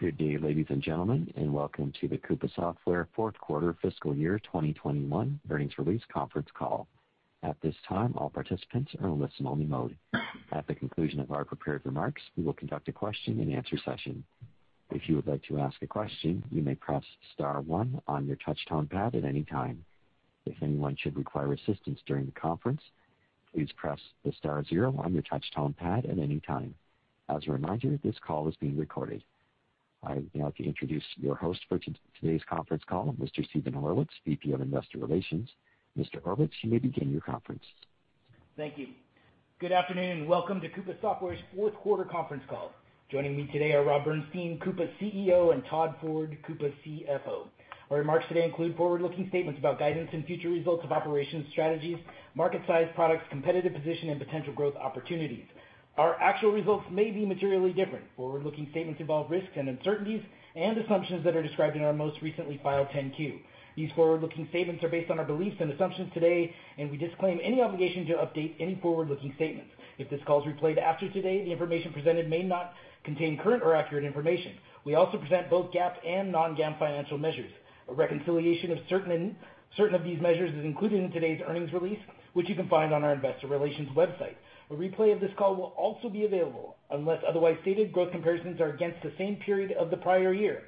Good day, ladies and gentlemen, and welcome to the Coupa Software Fourth Quarter Fiscal Year 2021 Earnings Release Conference Call. At this time, all participants are in listening only mode. At the conclusion of our prepared remarks, we will conduct question and answer session. If you would like to ask a question, you may press star one one your touchtone pad any time. If anyone should require assistance during the conference. Please press star zero on your pad at any time. As a reminder this call is being recorded. I would now like to introduce your host for today's conference call, Mr. Steven Horwitz, VP of Investor Relations. Mr. Horwitz, you may begin your conference. Thank you. Good afternoon and welcome to Coupa Software's fourth quarter conference call. Joining me today are Rob Bernshteyn, Coupa's CEO, and Todd Ford, Coupa's CFO. Our remarks today include forward-looking statements about guidance and future results of operations, strategies, market size, products, competitive position, and potential growth opportunities. Our actual results may be materially different. Forward-looking statements involve risks and uncertainties and assumptions that are described in our most recently filed 10-Q. These forward-looking statements are based on our beliefs and assumptions today, and we disclaim any obligation to update any forward-looking statements. If this call is replayed after today, the information presented may not contain current or accurate information. We also present both GAAP and non-GAAP financial measures. A reconciliation of certain of these measures is included in today's earnings release, which you can find on our investor relations website. A replay of this call will also be available. Unless otherwise stated, growth comparisons are against the same period of the prior year.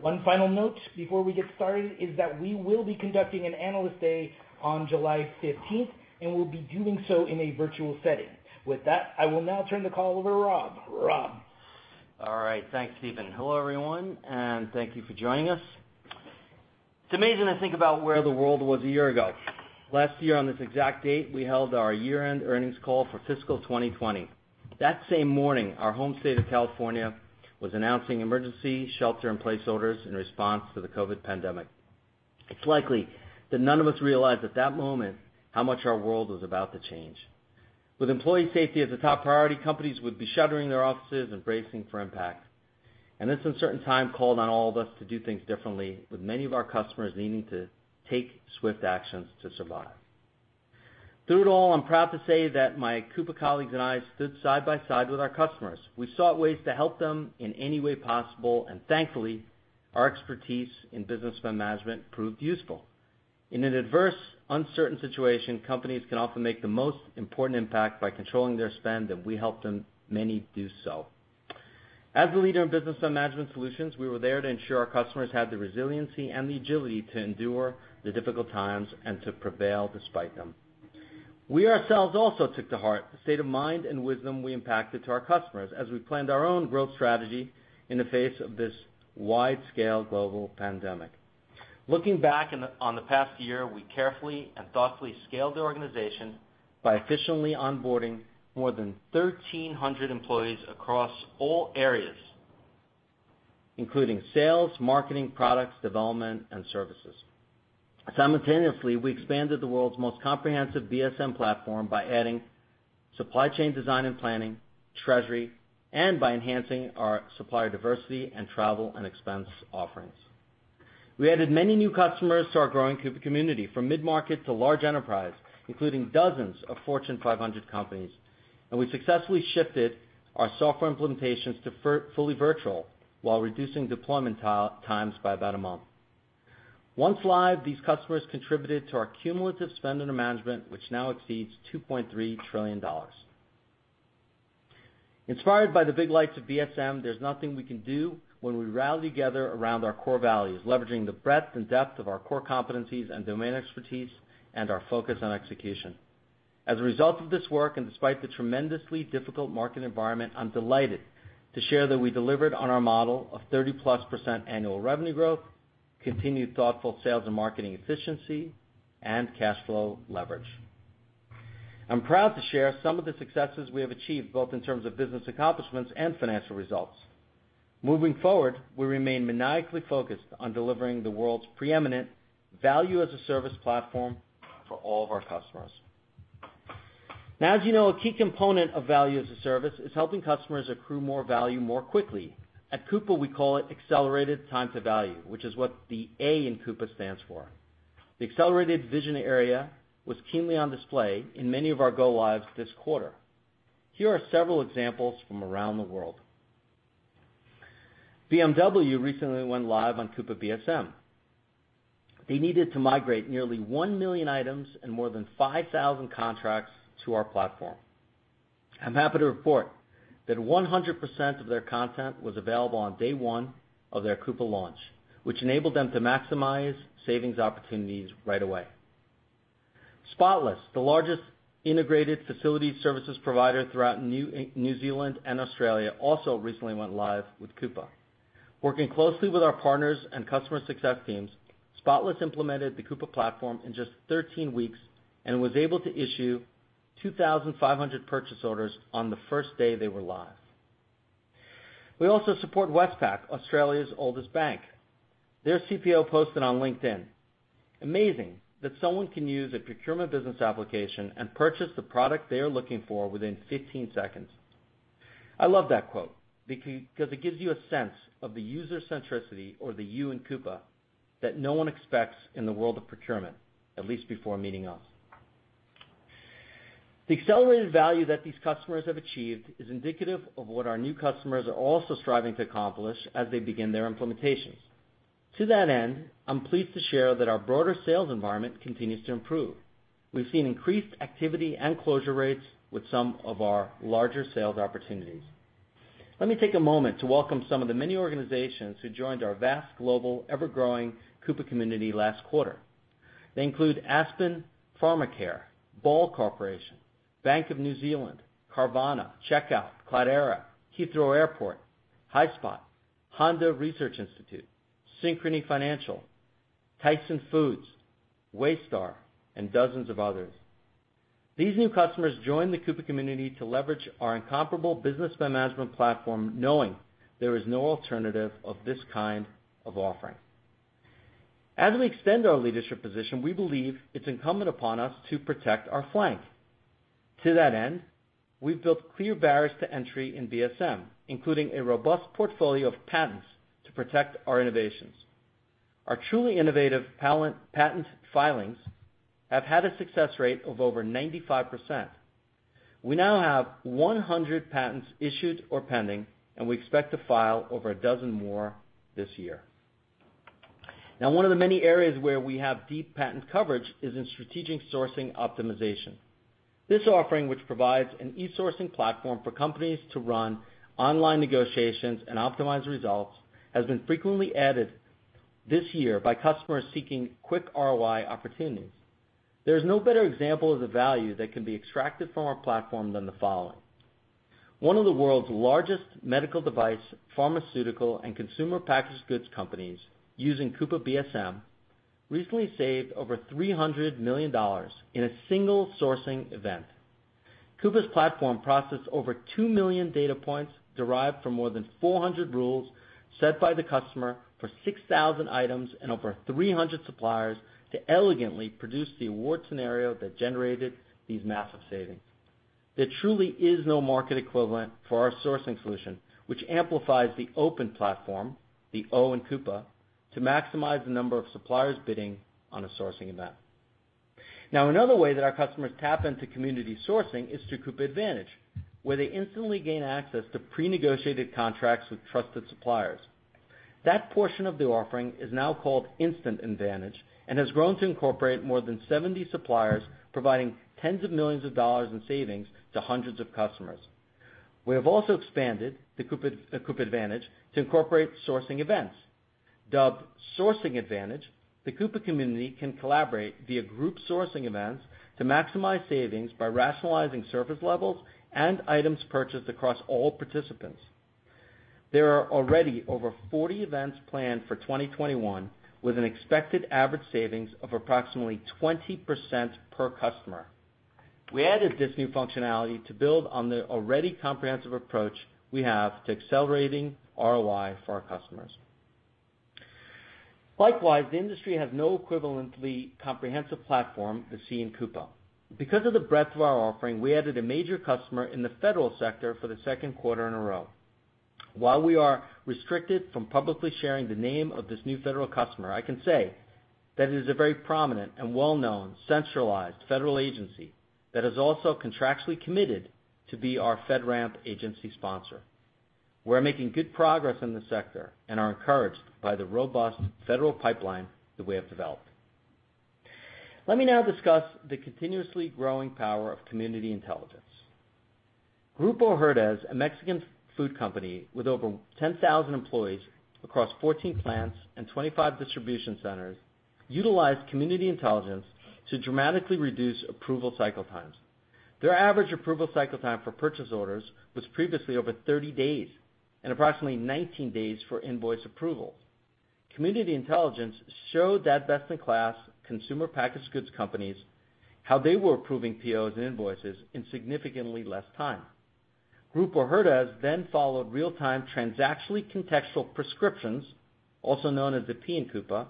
One final note before we get started is that we will be conducting an analyst day on July 15th, and we'll be doing so in a virtual setting. With that, I will now turn the call over to Rob. Rob? All right. Thanks, Steven. Hello, everyone, thank you for joining us. It's amazing to think about where the world was a year ago. Last year on this exact date, we held our year-end earnings call for fiscal 2020. That same morning, our home state of California was announcing emergency shelter in place orders in response to the COVID pandemic. It's likely that none of us realized at that moment how much our world was about to change. With employee safety as a top priority, companies would be shuttering their offices and bracing for impact. This uncertain time called on all of us to do things differently, with many of our customers needing to take swift actions to survive. Through it all, I'm proud to say that my Coupa colleagues and I stood side by side with our customers. We sought ways to help them in any way possible. Thankfully, our expertise in Business Spend Management proved useful. In an adverse, uncertain situation, companies can often make the most important impact by controlling their spend. We helped many do so. As the leader in Business Spend Management solutions, we were there to ensure our customers had the resiliency and the agility to endure the difficult times and to prevail despite them. We ourselves also took to heart the state of mind and wisdom we impacted to our customers as we planned our own growth strategy in the face of this wide-scale global pandemic. Looking back on the past year, we carefully and thoughtfully scaled the organization by efficiently onboarding more than 1,300 employees across all areas, including sales, marketing, products, development, and services. Simultaneously, we expanded the world's most comprehensive BSM platform by adding supply chain design and planning, treasury, and by enhancing our supplier diversity and travel and expense offerings. We added many new customers to our growing Coupa community, from mid-market to large enterprise, including dozens of Fortune 500 companies, and we successfully shifted our software implementations to fully virtual while reducing deployment times by about a month. Once live, these customers contributed to our cumulative spend under management, which now exceeds $2.3 trillion. Inspired by the big likes of BSM, there's nothing we can do when we rally together around our core values, leveraging the breadth and depth of our core competencies and domain expertise and our focus on execution. As a result of this work, and despite the tremendously difficult market environment, I'm delighted to share that we delivered on our model of +30% annual revenue growth, continued thoughtful sales and marketing efficiency, and cash flow leverage. I'm proud to share some of the successes we have achieved, both in terms of business accomplishments and financial results. Moving forward, we remain maniacally focused on delivering the world's preeminent value-as-a-service platform for all of our customers. Now, as you know, a key component of value as a service is helping customers accrue more value more quickly. At Coupa, we call it accelerated time to value, which is what the A in Coupa stands for. The accelerated vision area was keenly on display in many of our go lives this quarter. Here are several examples from around the world. BMW recently went live on Coupa BSM. They needed to migrate nearly 1 million items and more than 5,000 contracts to our platform. I am happy to report that 100% of their content was available on day one of their Coupa launch, which enabled them to maximize savings opportunities right away. Spotless, the largest integrated facility services provider throughout New Zealand and Australia, also recently went live with Coupa. Working closely with our partners and customer success teams, Spotless implemented the Coupa platform in just 13 weeks and was able to issue 2,500 purchase orders on the first day they were live. We also support Westpac, Australia's oldest bank. Their CPO posted on LinkedIn, "Amazing that someone can use a procurement business application and purchase the product they are looking for within 15 seconds." I love that quote because it gives you a sense of the user centricity, or the U in Coupa, that no one expects in the world of procurement, at least before meeting us. The accelerated value that these customers have achieved is indicative of what our new customers are also striving to accomplish as they begin their implementations. To that end, I'm pleased to share that our broader sales environment continues to improve. We've seen increased activity and closure rates with some of our larger sales opportunities. Let me take a moment to welcome some of the many organizations who joined our vast global ever-growing Coupa community last quarter. They include Aspen Pharmacare, Ball Corporation, Bank of New Zealand, Carvana, Checkout, Cloudera, Heathrow Airport, Highspot, Honda Research Institute, Synchrony Financial, Tyson Foods, Waystar, and dozens of others. These new customers joined the Coupa community to leverage our incomparable business management platform, knowing there is no alternative of this kind of offering. As we extend our leadership position, we believe it's incumbent upon us to protect our flank. To that end, we've built clear barriers to entry in BSM, including a robust portfolio of patents to protect our innovations. Our truly innovative patent filings have had a success rate of over 95%. We now have 100 patents issued or pending, and we expect to file over a dozen more this year. Now, one of the many areas where we have deep patent coverage is in strategic sourcing optimization. This offering, which provides an e-sourcing platform for companies to run online negotiations and optimize results, has been frequently added this year by customers seeking quick ROI opportunities. There is no better example of the value that can be extracted from our platform than the following. One of the world's largest medical device pharmaceutical and consumer packaged goods companies using Coupa BSM recently saved over $300 million in a single sourcing event. Coupa's platform processed over 2 million data points derived from more than 400 rules set by the customer for 6,000 items and over 300 suppliers to elegantly produce the award scenario that generated these massive savings. There truly is no market equivalent for our sourcing solution, which amplifies the open platform, the O in Coupa, to maximize the number of suppliers bidding on a sourcing event. Another way that our customers tap into community sourcing is through Coupa Advantage, where they instantly gain access to pre-negotiated contracts with trusted suppliers. That portion of the offering is now called Instant Advantage and has grown to incorporate more than 70 suppliers, providing tens of millions of dollars in savings to hundreds of customers. We have also expanded the Coupa Advantage to incorporate sourcing events. Dubbed Sourcing Advantage, the Coupa community can collaborate via group sourcing events to maximize savings by rationalizing service levels and items purchased across all participants. There are already over 40 events planned for 2021, with an expected average savings of approximately 20% per customer. We added this new functionality to build on the already comprehensive approach we have to accelerating ROI for our customers. The industry has no equivalently comprehensive platform, the C in Coupa. Because of the breadth of our offering, we added a major customer in the federal sector for the second quarter in a row. While we are restricted from publicly sharing the name of this new federal customer, I can say that it is a very prominent and well-known centralized federal agency that has also contractually committed to be our FedRAMP agency sponsor. We're making good progress in the sector and are encouraged by the robust federal pipeline that we have developed. Let me now discuss the continuously growing power of community intelligence. Grupo Herdez, a Mexican food company with over 10,000 employees across 14 plants and 25 distribution centers, utilized community intelligence to dramatically reduce approval cycle times. Their average approval cycle time for purchase orders was previously over 30 days and approximately 19 days for invoice approval. Community intelligence showed that best-in-class consumer packaged goods companies how they were approving POs and invoices in significantly less time. Grupo Herdez followed real-time transactionally contextual prescriptions, also known as the P in Coupa,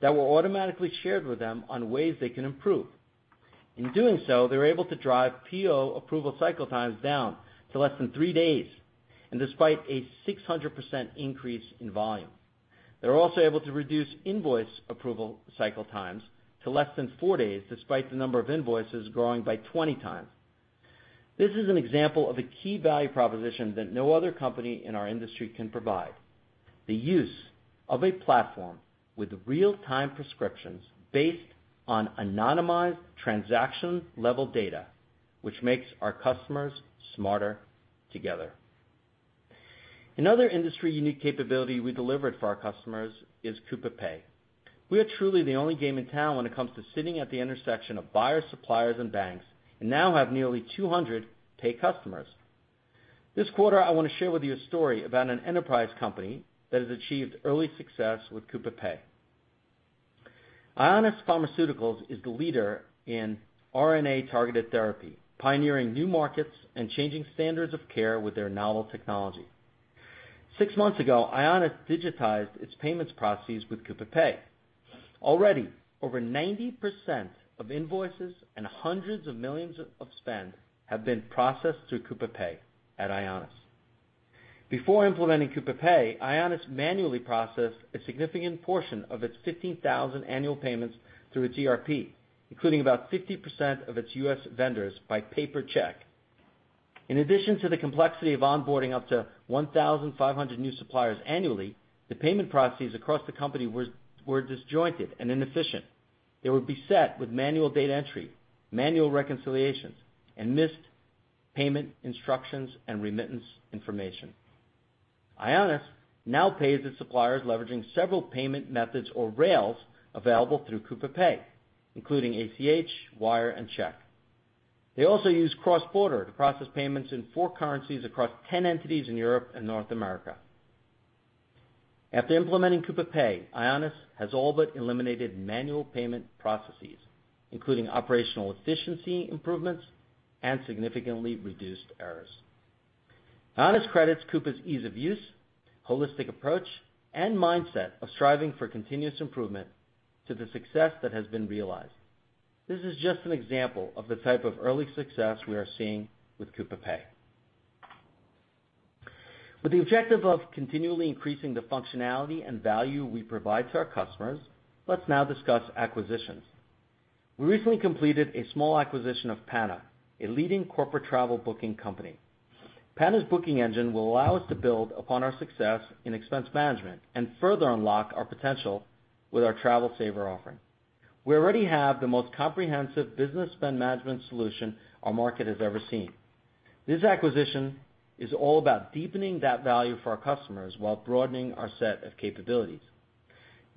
that were automatically shared with them on ways they can improve. In doing so, they were able to drive PO approval cycle times down to less than three days, and despite a 600% increase in volume. They were also able to reduce invoice approval cycle times to less than four days, despite the number of invoices growing by 20x. This is an example of a key value proposition that no other company in our industry can provide. The use of a platform with real-time prescriptions based on anonymized transaction-level data, which makes our customers smarter together. Another industry-unique capability we delivered for our customers is Coupa Pay. We are truly the only game in town when it comes to sitting at the intersection of buyers, suppliers, and banks, and now have nearly 200 pay customers. This quarter, I want to share with you a story about an enterprise company that has achieved early success with Coupa Pay. Ionis Pharmaceuticals is the leader in RNA-targeted therapy, pioneering new markets and changing standards of care with their novel technology. Six months ago, Ionis digitized its payments processes with Coupa Pay. Already, over 90% of invoices and hundreds of millions of spend have been processed through Coupa Pay at Ionis. Before implementing Coupa Pay, Ionis manually processed a significant portion of its 15,000 annual payments through its ERP, including about 50% of its U.S. vendors by paper check. In addition to the complexity of onboarding up to 1,500 new suppliers annually, the payment processes across the company were disjointed and inefficient. They would be set with manual data entry, manual reconciliations, missed payment instructions and remittance information. Ionis now pays its suppliers leveraging several payment methods or rails available through Coupa Pay, including ACH, wire, and check. They also use cross-border to process payments in four currencies across 10 entities in Europe and North America. After implementing Coupa Pay, Ionis has all but eliminated manual payment processes, including operational efficiency improvements and significantly reduced errors. Ionis credits Coupa's ease of use, holistic approach, and mindset of striving for continuous improvement to the success that has been realized. This is just an example of the type of early success we are seeing with Coupa Pay. With the objective of continually increasing the functionality and value we provide to our customers, let's now discuss acquisitions. We recently completed a small acquisition of Pana, a leading corporate travel booking company. Pana's booking engine will allow us to build upon our success in expense management and further unlock our potential with our Travel Saver offering. We already have the most comprehensive Business Spend Management solution our market has ever seen. This acquisition is all about deepening that value for our customers while broadening our set of capabilities.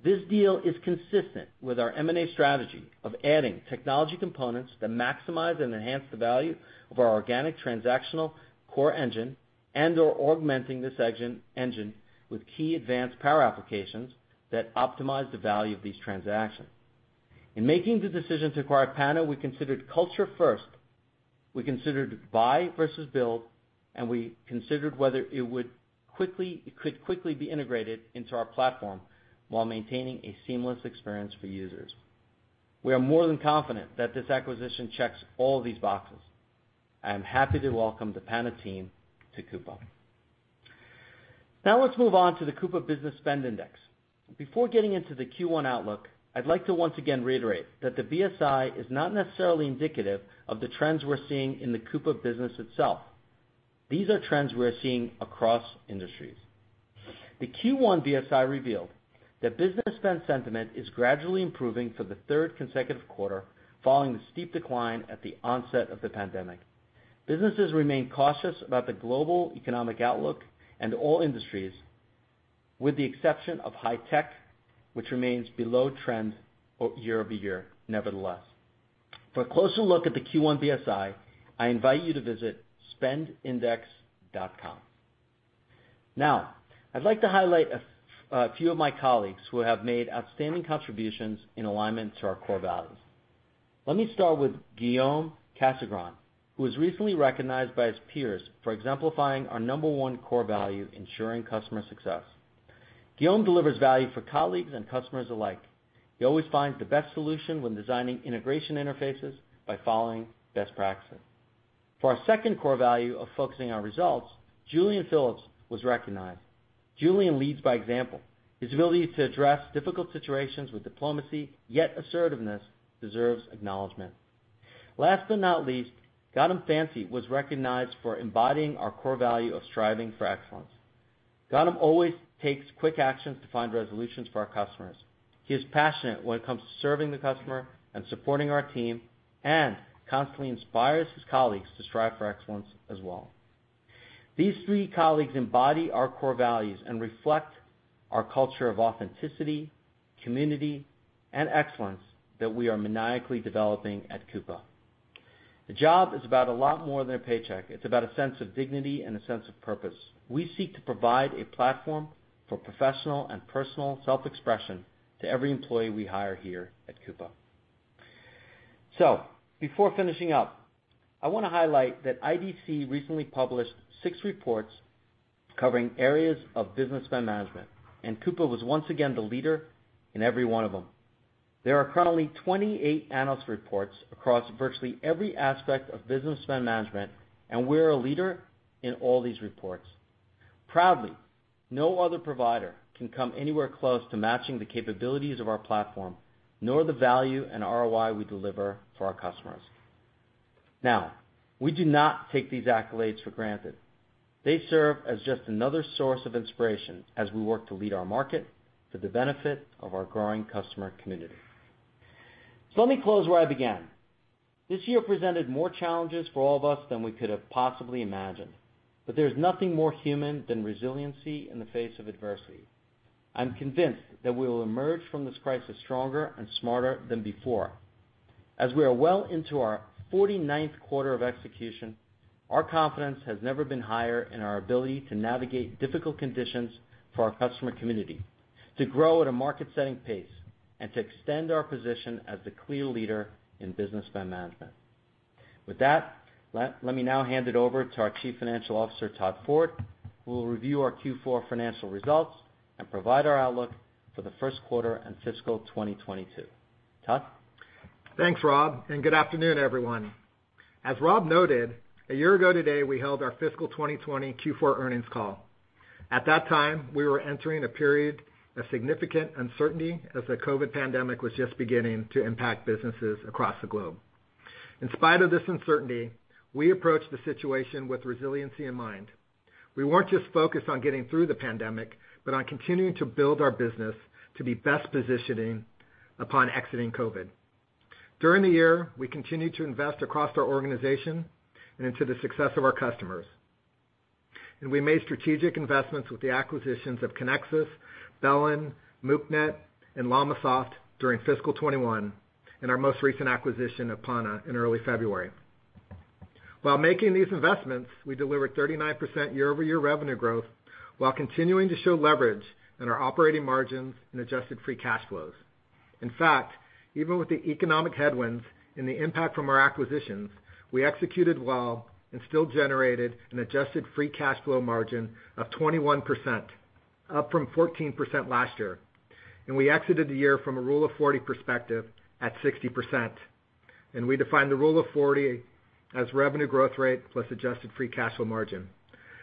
This deal is consistent with our M&A strategy of adding technology components that maximize and enhance the value of our organic transactional core engine and/or augmenting this engine with key advanced power applications that optimize the value of these transactions. In making the decision to acquire Pana, we considered culture first. We considered buy versus build, and we considered whether it could quickly be integrated into our platform while maintaining a seamless experience for users. We are more than confident that this acquisition checks all these boxes. I am happy to welcome the Pana team to Coupa. Now let's move on to the Coupa Business Spend Index. Before getting into the Q1 outlook, I'd like to once again reiterate that the BSI is not necessarily indicative of the trends we're seeing in the Coupa business itself. These are trends we are seeing across industries. The Q1 BSI revealed that business spend sentiment is gradually improving for the third consecutive quarter, following the steep decline at the onset of the pandemic. Businesses remain cautious about the global economic outlook and all industries, with the exception of high tech, which remains below trend year-over-year nevertheless. For a closer look at the Q1 BSI, I invite you to visit spendindex.com. Now, I'd like to highlight a few of my colleagues who have made outstanding contributions in alignment to our core values. Let me start with Guillaume Casegrain, who was recently recognized by his peers for exemplifying our number one core value, ensuring customer success. Guillaume delivers value for colleagues and customers alike. He always finds the best solution when designing integration interfaces by following best practices. For our second core value of focusing on results, Julian Phillips was recognized. Julian leads by example. His ability to address difficult situations with diplomacy, yet assertiveness, deserves acknowledgment. Last but not least, Gautam Murali was recognized for embodying our core value of striving for excellence. Gautam always takes quick actions to find resolutions for our customers. He is passionate when it comes to serving the customer and supporting our team, and constantly inspires his colleagues to strive for excellence as well. These three colleagues embody our core values and reflect our culture of authenticity, community, and excellence that we are maniacally developing at Coupa. The job is about a lot more than a paycheck. It's about a sense of dignity and a sense of purpose. We seek to provide a platform for professional and personal self-expression to every employee we hire here at Coupa. Before finishing up, I want to highlight that IDC recently published six reports covering areas of business spend management, and Coupa was once again the leader in every one of them. There are currently 28 analyst reports across virtually every aspect of business spend management, and we're a leader in all these reports. Proudly, no other provider can come anywhere close to matching the capabilities of our platform, nor the value and ROI we deliver for our customers. We do not take these accolades for granted. They serve as just another source of inspiration as we work to lead our market for the benefit of our growing customer community. Let me close where I began. This year presented more challenges for all of us than we could have possibly imagined. There's nothing more human than resiliency in the face of adversity. I'm convinced that we will emerge from this crisis stronger and smarter than before. As we are well into our 49th quarter of execution, our confidence has never been higher in our ability to navigate difficult conditions for our customer community, to grow at a market-setting pace, and to extend our position as the clear leader in Business Spend Management. With that, let me now hand it over to our Chief Financial Officer, Todd Ford, who will review our Q4 financial results and provide our outlook for the first quarter and fiscal 2022. Todd? Thanks, Rob. Good afternoon, everyone. As Rob noted, a year ago today, we held our fiscal 2020 Q4 earnings call. At that time, we were entering a period of significant uncertainty as the COVID pandemic was just beginning to impact businesses across the globe. In spite of this uncertainty, we approached the situation with resiliency in mind. We weren't just focused on getting through the pandemic, but on continuing to build our business to be best positioning upon exiting COVID. During the year, we continued to invest across our organization and into the success of our customers. We made strategic investments with the acquisitions of ConnXus, BELLIN, Exari, and LLamasoft during fiscal 2021, and our most recent acquisition of Pana in early February. While making these investments, we delivered 39% year-over-year revenue growth while continuing to show leverage in our operating margins and adjusted free cash flows. In fact, even with the economic headwinds and the impact from our acquisitions, we executed well and still generated an adjusted free cash flow margin of 21%, up from 14% last year. We exited the year from a Rule of 40 perspective at 60%. We define the Rule of 40 as revenue growth rate plus adjusted free cash flow margin.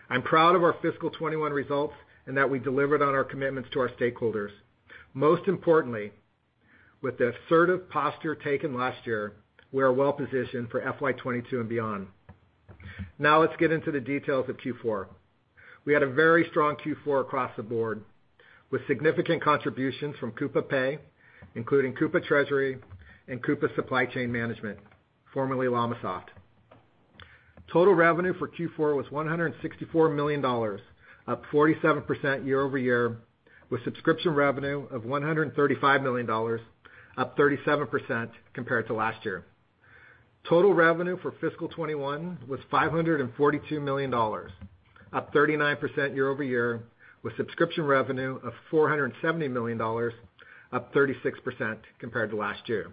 I'm proud of our fiscal 2021 results and that we delivered on our commitments to our stakeholders. Most importantly, with the assertive posture taken last year, we are well-positioned for FY 2022 and beyond. Now let's get into the details of Q4. We had a very strong Q4 across the board, with significant contributions from Coupa Pay, including Coupa Treasury and Coupa Supply Chain Management, formerly LLamasoft. Total revenue for Q4 was $164 million, up 47% year-over-year, with subscription revenue of $135 million, up 37% compared to last year. Total revenue for fiscal 2021 was $542 million, up 39% year-over-year, with subscription revenue of $470 million, up 36% compared to last year.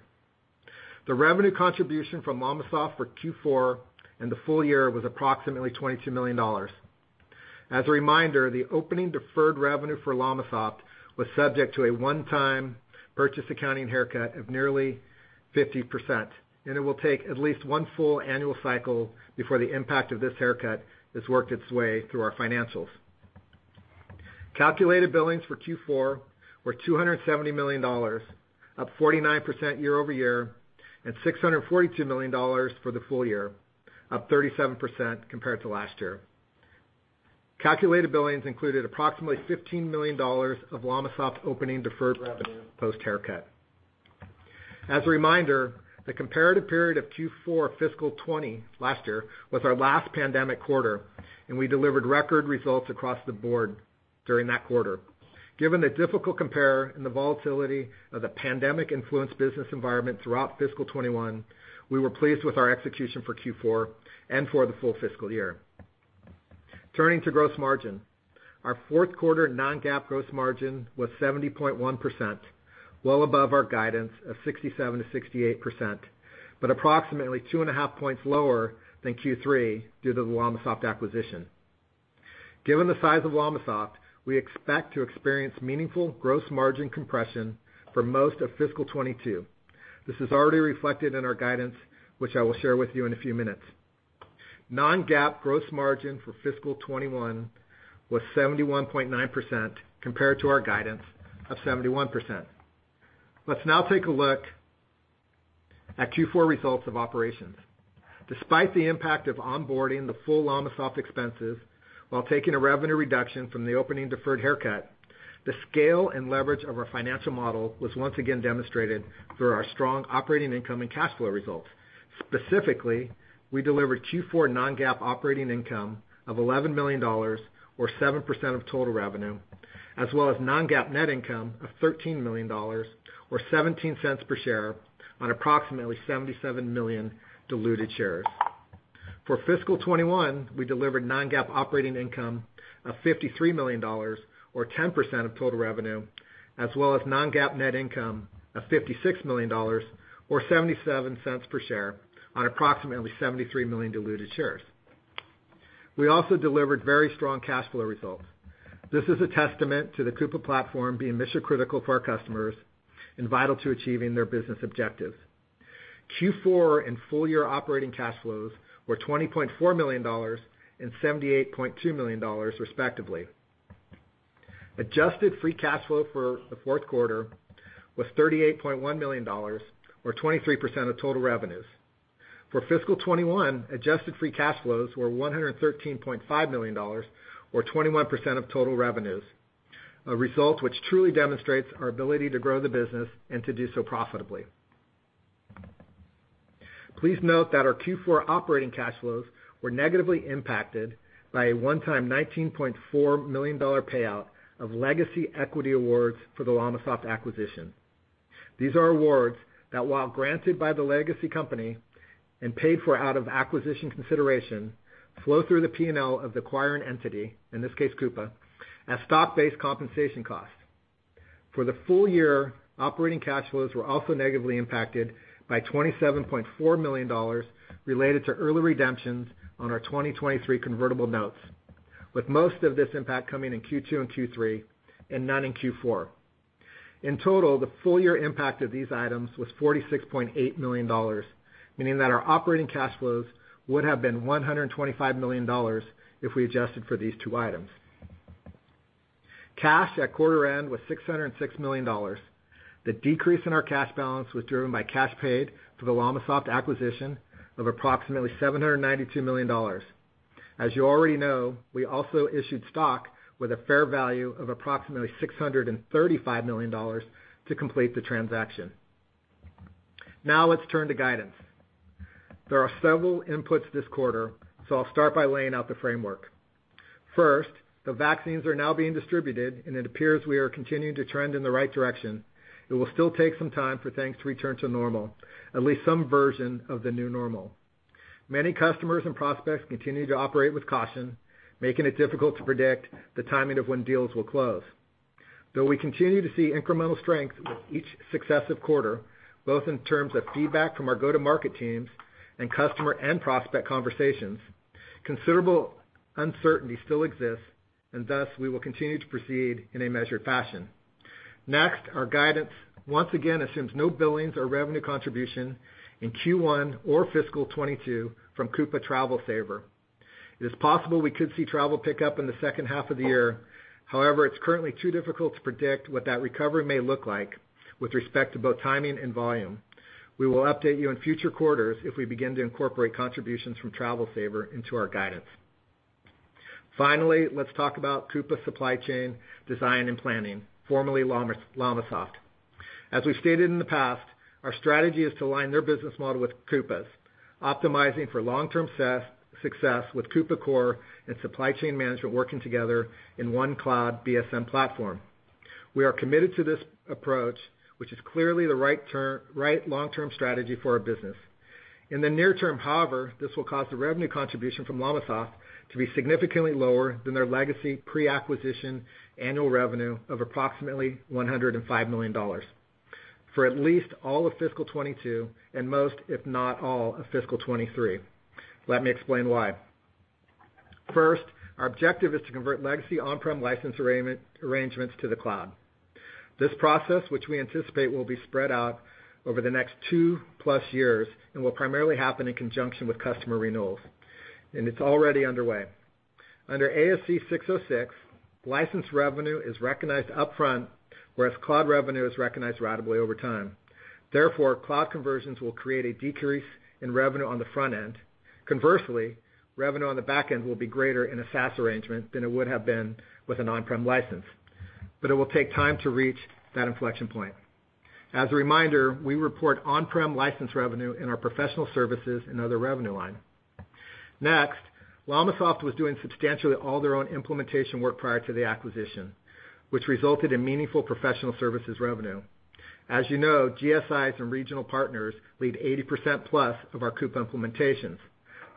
The revenue contribution from LLamasoft for Q4 and the full year was approximately $22 million. As a reminder, the opening deferred revenue for LLamasoft was subject to a one-time purchase accounting haircut of nearly 50%, and it will take at least one full annual cycle before the impact of this haircut has worked its way through our financials. Calculated billings for Q4 were $270 million, up 49% year-over-year, and $642 million for the full year, up 37% compared to last year. Calculated billings included approximately $15 million of LLamasoft's opening deferred revenue post-haircut. As a reminder, the comparative period of Q4 fiscal 2020 last year was our last pandemic quarter, and we delivered record results across the board during that quarter. Given the difficult compare and the volatility of the pandemic-influenced business environment throughout fiscal 2021, we were pleased with our execution for Q4 and for the full fiscal year. Turning to gross margin. Our fourth quarter non-GAAP gross margin was 70.1%, well above our guidance of 67%-68%, but approximately 2.5 points lower than Q3 due to the LLamasoft acquisition. Given the size of LLamasoft, we expect to experience meaningful gross margin compression for most of fiscal 2022. This is already reflected in our guidance, which I will share with you in a few minutes. Non-GAAP gross margin for fiscal 2021 was 71.9%, compared to our guidance of 71%. Let's now take a look at Q4 results of operations. Despite the impact of onboarding the full LLamasoft expenses while taking a revenue reduction from the opening deferred haircut, the scale and leverage of our financial model was once again demonstrated through our strong operating income and cash flow results. Specifically, we delivered Q4 non-GAAP operating income of $11 million, or 7% of total revenue, as well as non-GAAP net income of $13 million, or $0.17 per share on approximately 77 million diluted shares. For fiscal 2021, we delivered non-GAAP operating income of $53 million, or 10% of total revenue, as well as non-GAAP net income of $56 million, or $0.77 per share on approximately 73 million diluted shares. We also delivered very strong cash flow results. This is a testament to the Coupa platform being mission-critical for our customers and vital to achieving their business objectives. Q4 and full-year operating cash flows were $20.4 million and $78.2 million, respectively. Adjusted free cash flow for the fourth quarter was $38.1 million, or 23% of total revenues. For fiscal 2021, adjusted free cash flows were $113.5 million, or 21% of total revenues, a result which truly demonstrates our ability to grow the business and to do so profitably. Please note that our Q4 operating cash flows were negatively impacted by a one-time $19.4 million payout of legacy equity awards for the LLamasoft acquisition. These are awards that, while granted by the legacy company and paid for out of acquisition consideration, flow through the P&L of the acquiring entity, in this case, Coupa, as stock-based compensation costs. For the full year, operating cash flows were also negatively impacted by $27.4 million related to early redemptions on our 2023 convertible notes, with most of this impact coming in Q2 and Q3, and none in Q4. In total, the full year impact of these items was $46.8 million, meaning that our operating cash flows would have been $125 million if we adjusted for these two items. Cash at quarter end was $606 million. The decrease in our cash balance was driven by cash paid for the LLamasoft acquisition of approximately $792 million. As you already know, we also issued stock with a fair value of approximately $635 million to complete the transaction. Now let's turn to guidance. There are several inputs this quarter, so I'll start by laying out the framework. First, the vaccines are now being distributed, and it appears we are continuing to trend in the right direction. It will still take some time for things to return to normal, at least some version of the new normal. Many customers and prospects continue to operate with caution, making it difficult to predict the timing of when deals will close. Though we continue to see incremental strength with each successive quarter, both in terms of feedback from our go-to-market teams and customer and prospect conversations, considerable uncertainty still exists, and thus, we will continue to proceed in a measured fashion. Next, our guidance, once again, assumes no billings or revenue contribution in Q1 or fiscal 2022 from Coupa Travel Saver. It is possible we could see travel pick up in the second half of the year. However, it's currently too difficult to predict what that recovery may look like with respect to both timing and volume. We will update you in future quarters if we begin to incorporate contributions from Travel Saver into our guidance. Finally, let's talk about Coupa Supply Chain Design & Planning, formerly LLamasoft. As we've stated in the past, our strategy is to align their business model with Coupa's, optimizing for long-term success with Coupa Core and supply chain management working together in one cloud BSM platform. We are committed to this approach, which is clearly the right long-term strategy for our business. In the near term, however, this will cause the revenue contribution from LLamasoft to be significantly lower than their legacy pre-acquisition annual revenue of approximately $105 million for at least all of fiscal 2022 and most, if not all, of fiscal 2023. Let me explain why. First, our objective is to convert legacy on-prem license arrangements to the cloud. This process, which we anticipate will be spread out over the next 2+ years and will primarily happen in conjunction with customer renewals, and it's already underway. Under ASC 606, license revenue is recognized upfront, whereas cloud revenue is recognized ratably over time. Therefore, cloud conversions will create a decrease in revenue on the front end. Conversely, revenue on the back end will be greater in a SaaS arrangement than it would have been with an on-prem license, but it will take time to reach that inflection point. As a reminder, we report on-prem license revenue in our professional services and other revenue line. Next, LLamasoft was doing substantially all their own implementation work prior to the acquisition, which resulted in meaningful professional services revenue. As you know, GSIs and regional partners lead +80% of our Coupa implementations.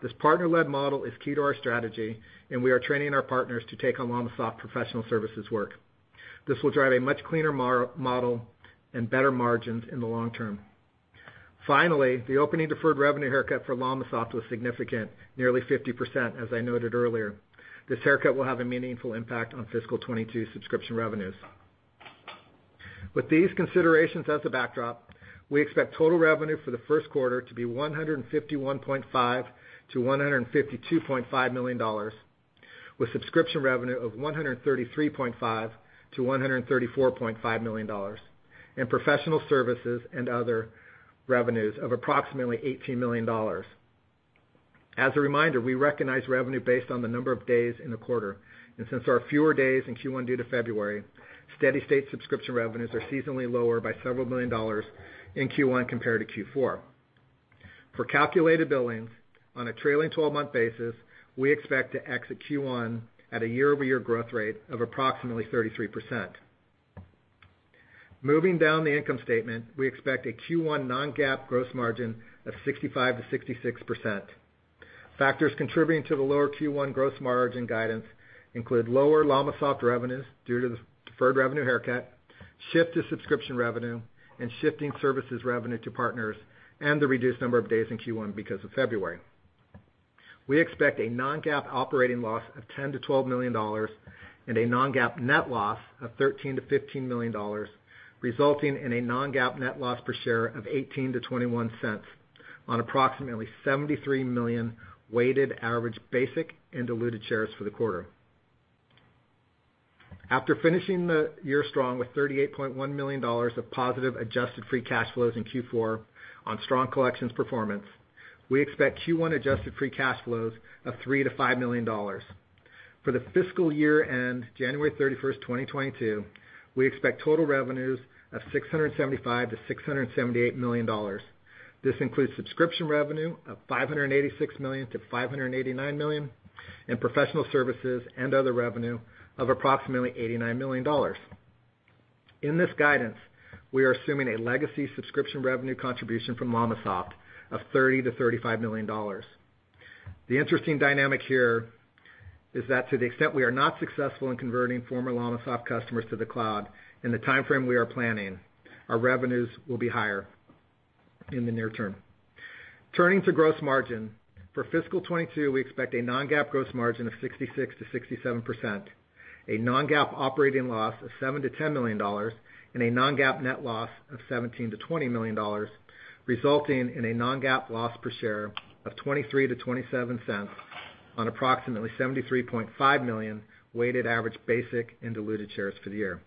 This partner-led model is key to our strategy, and we are training our partners to take on LLamasoft professional services work. This will drive a much cleaner model and better margins in the long term. Finally, the opening deferred revenue haircut for LLamasoft was significant, nearly 50%, as I noted earlier. This haircut will have a meaningful impact on fiscal 2022 subscription revenues. With these considerations as a backdrop, we expect total revenue for the first quarter to be $151.5 million-$152.5 million, with subscription revenue of $133.5 million-$134.5 million, and professional services and other revenues of approximately $18 million. As a reminder, we recognize revenue based on the number of days in a quarter, and since there are fewer days in Q1 due to February, steady-state subscription revenues are seasonally lower by several million dollars in Q1 compared to Q4. For calculated billings on a trailing 12-month basis, we expect to exit Q1 at a year-over-year growth rate of approximately 33%. Moving down the income statement, we expect a Q1 non-GAAP gross margin of 65%-66%. Factors contributing to the lower Q1 gross margin guidance include lower LLamasoft revenues due to the deferred revenue haircut, shift to subscription revenue, and shifting services revenue to partners, and the reduced number of days in Q1 because of February. We expect a non-GAAP operating loss of $10 million-$12 million and a non-GAAP net loss of $13 million-$15 million, resulting in a non-GAAP net loss per share of $0.18-$0.21 on approximately 73 million weighted average basic and diluted shares for the quarter. After finishing the year strong with $38.1 million of positive adjusted free cash flows in Q4 on strong collections performance, we expect Q1 adjusted free cash flows of $3 million-$5 million. For the fiscal year end January 31st, 2022, we expect total revenues of $675 million-$678 million. This includes subscription revenue of $586 million-$589 million and professional services and other revenue of approximately $89 million. In this guidance, we are assuming a legacy subscription revenue contribution from LLamasoft of $30 million-$35 million. The interesting dynamic here is that to the extent we are not successful in converting former LLamasoft customers to the cloud in the timeframe we are planning, our revenues will be higher. In the near term. Turning to gross margin, for fiscal 2022, we expect a non-GAAP gross margin of 66%-67%, a non-GAAP operating loss of $7 million-$10 million, and a non-GAAP net loss of $17 million-$20 million, resulting in a non-GAAP loss per share of $0.23-$0.27 on approximately 73.5 million weighted average basic and diluted shares for the year.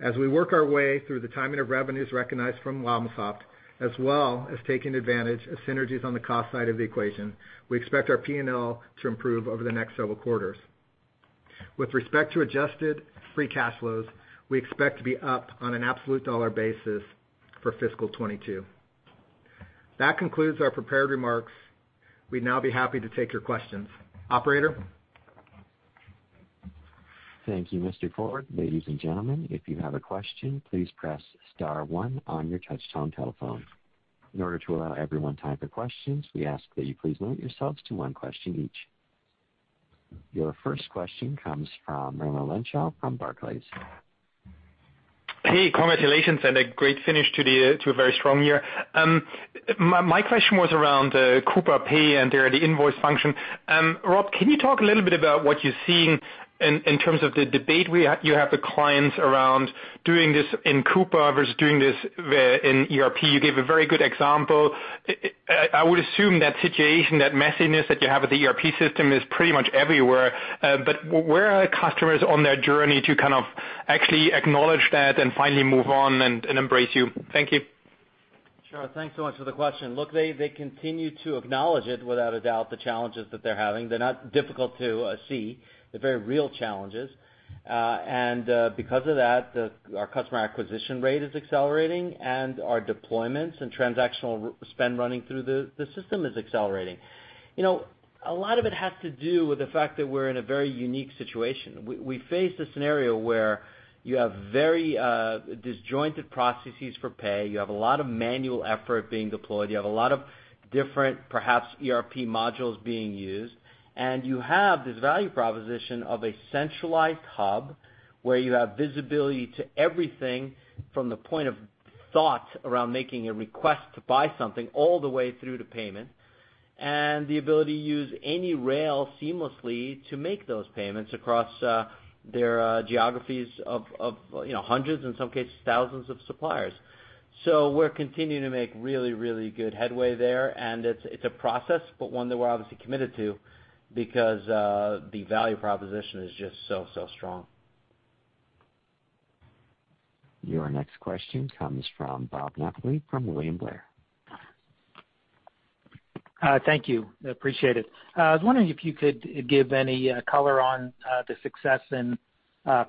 As we work our way through the timing of revenues recognized from LLamasoft, as well as taking advantage of synergies on the cost side of the equation, we expect our P&L to improve over the next several quarters. With respect to adjusted free cash flows, we expect to be up on an absolute dollar basis for fiscal 2022. That concludes our prepared remarks. We'd now be happy to take your questions. Operator? Thank you, Mr. Ford. Ladies and gentlemen, if you have a question, please press star one on your touchtone telephone. In order to allow everyone time for questions, we ask that you please limit yourselves to one question each. Your first question comes from Raimo Lenschow from Barclays. Hey, congratulations, and a great finish to a very strong year. My question was around Coupa Pay and their invoice function. Rob, can you talk a little bit about what you're seeing in terms of the debate where you have the clients around doing this in Coupa versus doing this in ERP? You gave a very good example. I would assume that situation, that messiness that you have with the ERP system, is pretty much everywhere. Where are customers on their journey to kind of actually acknowledge that and finally move on and embrace you? Thank you. Sure. Thanks so much for the question. Look, they continue to acknowledge it, without a doubt, the challenges that they're having. They're not difficult to see. They're very real challenges. Because of that, our customer acquisition rate is accelerating, and our deployments and transactional spend running through the system is accelerating. A lot of it has to do with the fact that we're in a very unique situation. We face a scenario where you have very disjointed processes for pay. You have a lot of manual effort being deployed. You have a lot of different, perhaps, ERP modules being used. You have this value proposition of a centralized hub where you have visibility to everything from the point of thought around making a request to buy something all the way through to payment, and the ability to use any rail seamlessly to make those payments across their geographies of hundreds, in some cases thousands, of suppliers. We're continuing to make really good headway there, and it's a process, but one that we're obviously committed to because the value proposition is just so strong. Your next question comes from Bob Napoli from William Blair. Thank you. Appreciate it. I was wondering if you could give any color on the success in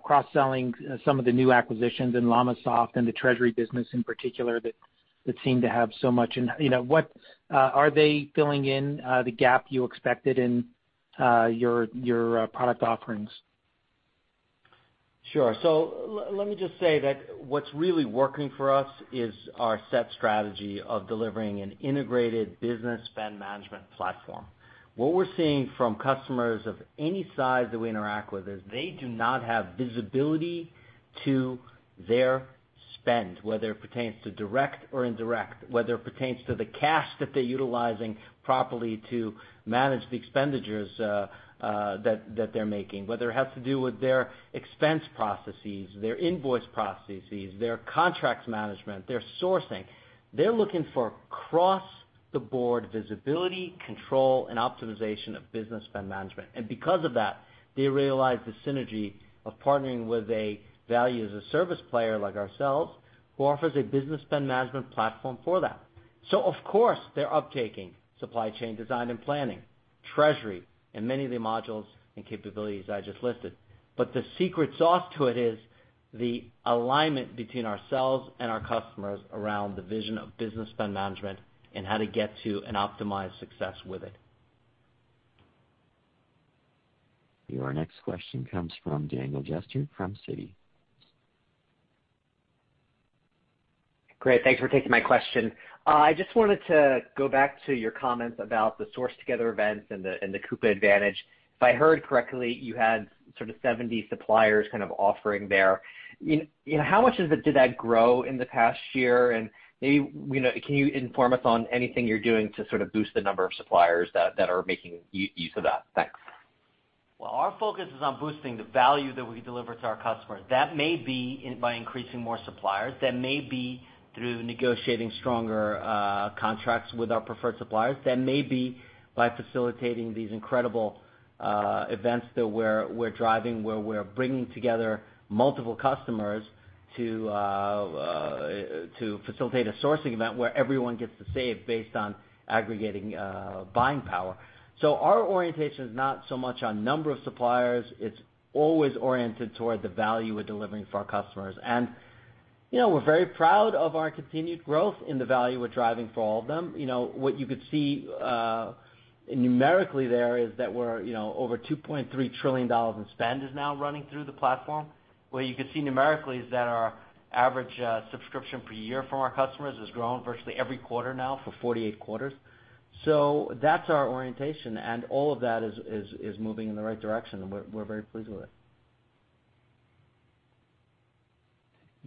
cross-selling some of the new acquisitions in LLamasoft and the treasury business in particular. Are they filling in the gap you expected in your product offerings? Sure. Let me just say that what's really working for us is our set strategy of delivering an integrated Business Spend Management platform. What we're seeing from customers of any size that we interact with is they do not have visibility to their spend, whether it pertains to direct or indirect, whether it pertains to the cash that they're utilizing properly to manage the expenditures that they're making, whether it has to do with their expense processes, their invoice processes, their contracts management, their sourcing. They're looking for across-the-board visibility, control, and optimization of Business Spend Management. Because of that, they realize the synergy of partnering with a value-as-a-service player like ourselves, who offers a Business Spend Management platform for that. Of course, they're uptaking Supply Chain Design & Planning, treasury, and many of the modules and capabilities I just listed. The secret sauce to it is the alignment between ourselves and our customers around the vision of Business Spend Management and how to get to and optimize success with it. Your next question comes from Daniel Jester from Citi. Great. Thanks for taking my question. I just wanted to go back to your comments about the Source Together events and the Coupa Advantage. If I heard correctly, you had sort of 70 suppliers offering there. How much did that grow in the past year? Maybe, can you inform us on anything you're doing to boost the number of suppliers that are making use of that? Thanks. Well, our focus is on boosting the value that we deliver to our customers. That may be by increasing more suppliers. That may be through negotiating stronger contracts with our preferred suppliers. That may be by facilitating these incredible events where we're bringing together multiple customers to facilitate a sourcing event where everyone gets to save based on aggregating buying power. Our orientation is not so much on number of suppliers. It's always oriented toward the value we're delivering for our customers. We're very proud of our continued growth in the value we're driving for all of them. What you could see numerically there is that over $2.3 trillion in spend is now running through the platform. What you could see numerically is that our average subscription per year from our customers has grown virtually every quarter now for 48 quarters. That's our orientation, and all of that is moving in the right direction, and we're very pleased with it.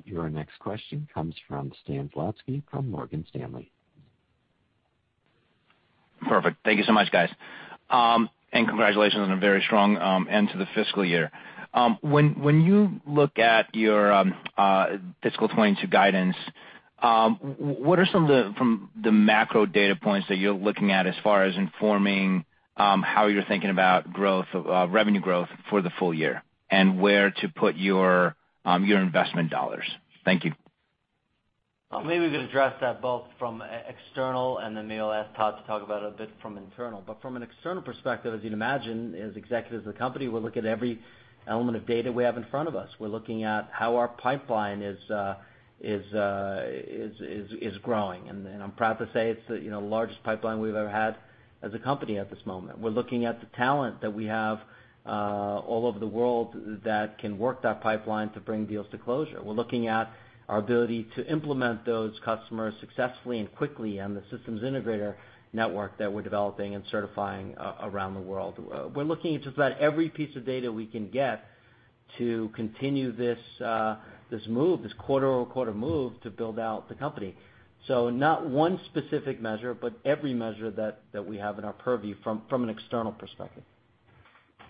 Your next question comes from Stan Zlotsky from Morgan Stanley. Perfect. Thank you so much, guys. Congratulations on a very strong end to the fiscal year. When you look at your fiscal 2022 guidance, what are some of the macro data points that you're looking at as far as informing how you're thinking about revenue growth for the full year and where to put your investment dollars? Thank you. Maybe we could address that both from external, and then maybe I'll ask Todd to talk about it a bit from internal. From an external perspective, as you'd imagine, as executives of the company, we look at every element of data we have in front of us. We're looking at how our pipeline is growing. I'm proud to say it's the largest pipeline we've ever had as a company at this moment. We're looking at the talent that we have all over the world that can work that pipeline to bring deals to closure. We're looking at our ability to implement those customers successfully and quickly, and the systems integrator network that we're developing and certifying around the world. We're looking at just about every piece of data we can get to continue this quarter-over-quarter move to build out the company. Not one specific measure, but every measure that we have in our purview from an external perspective.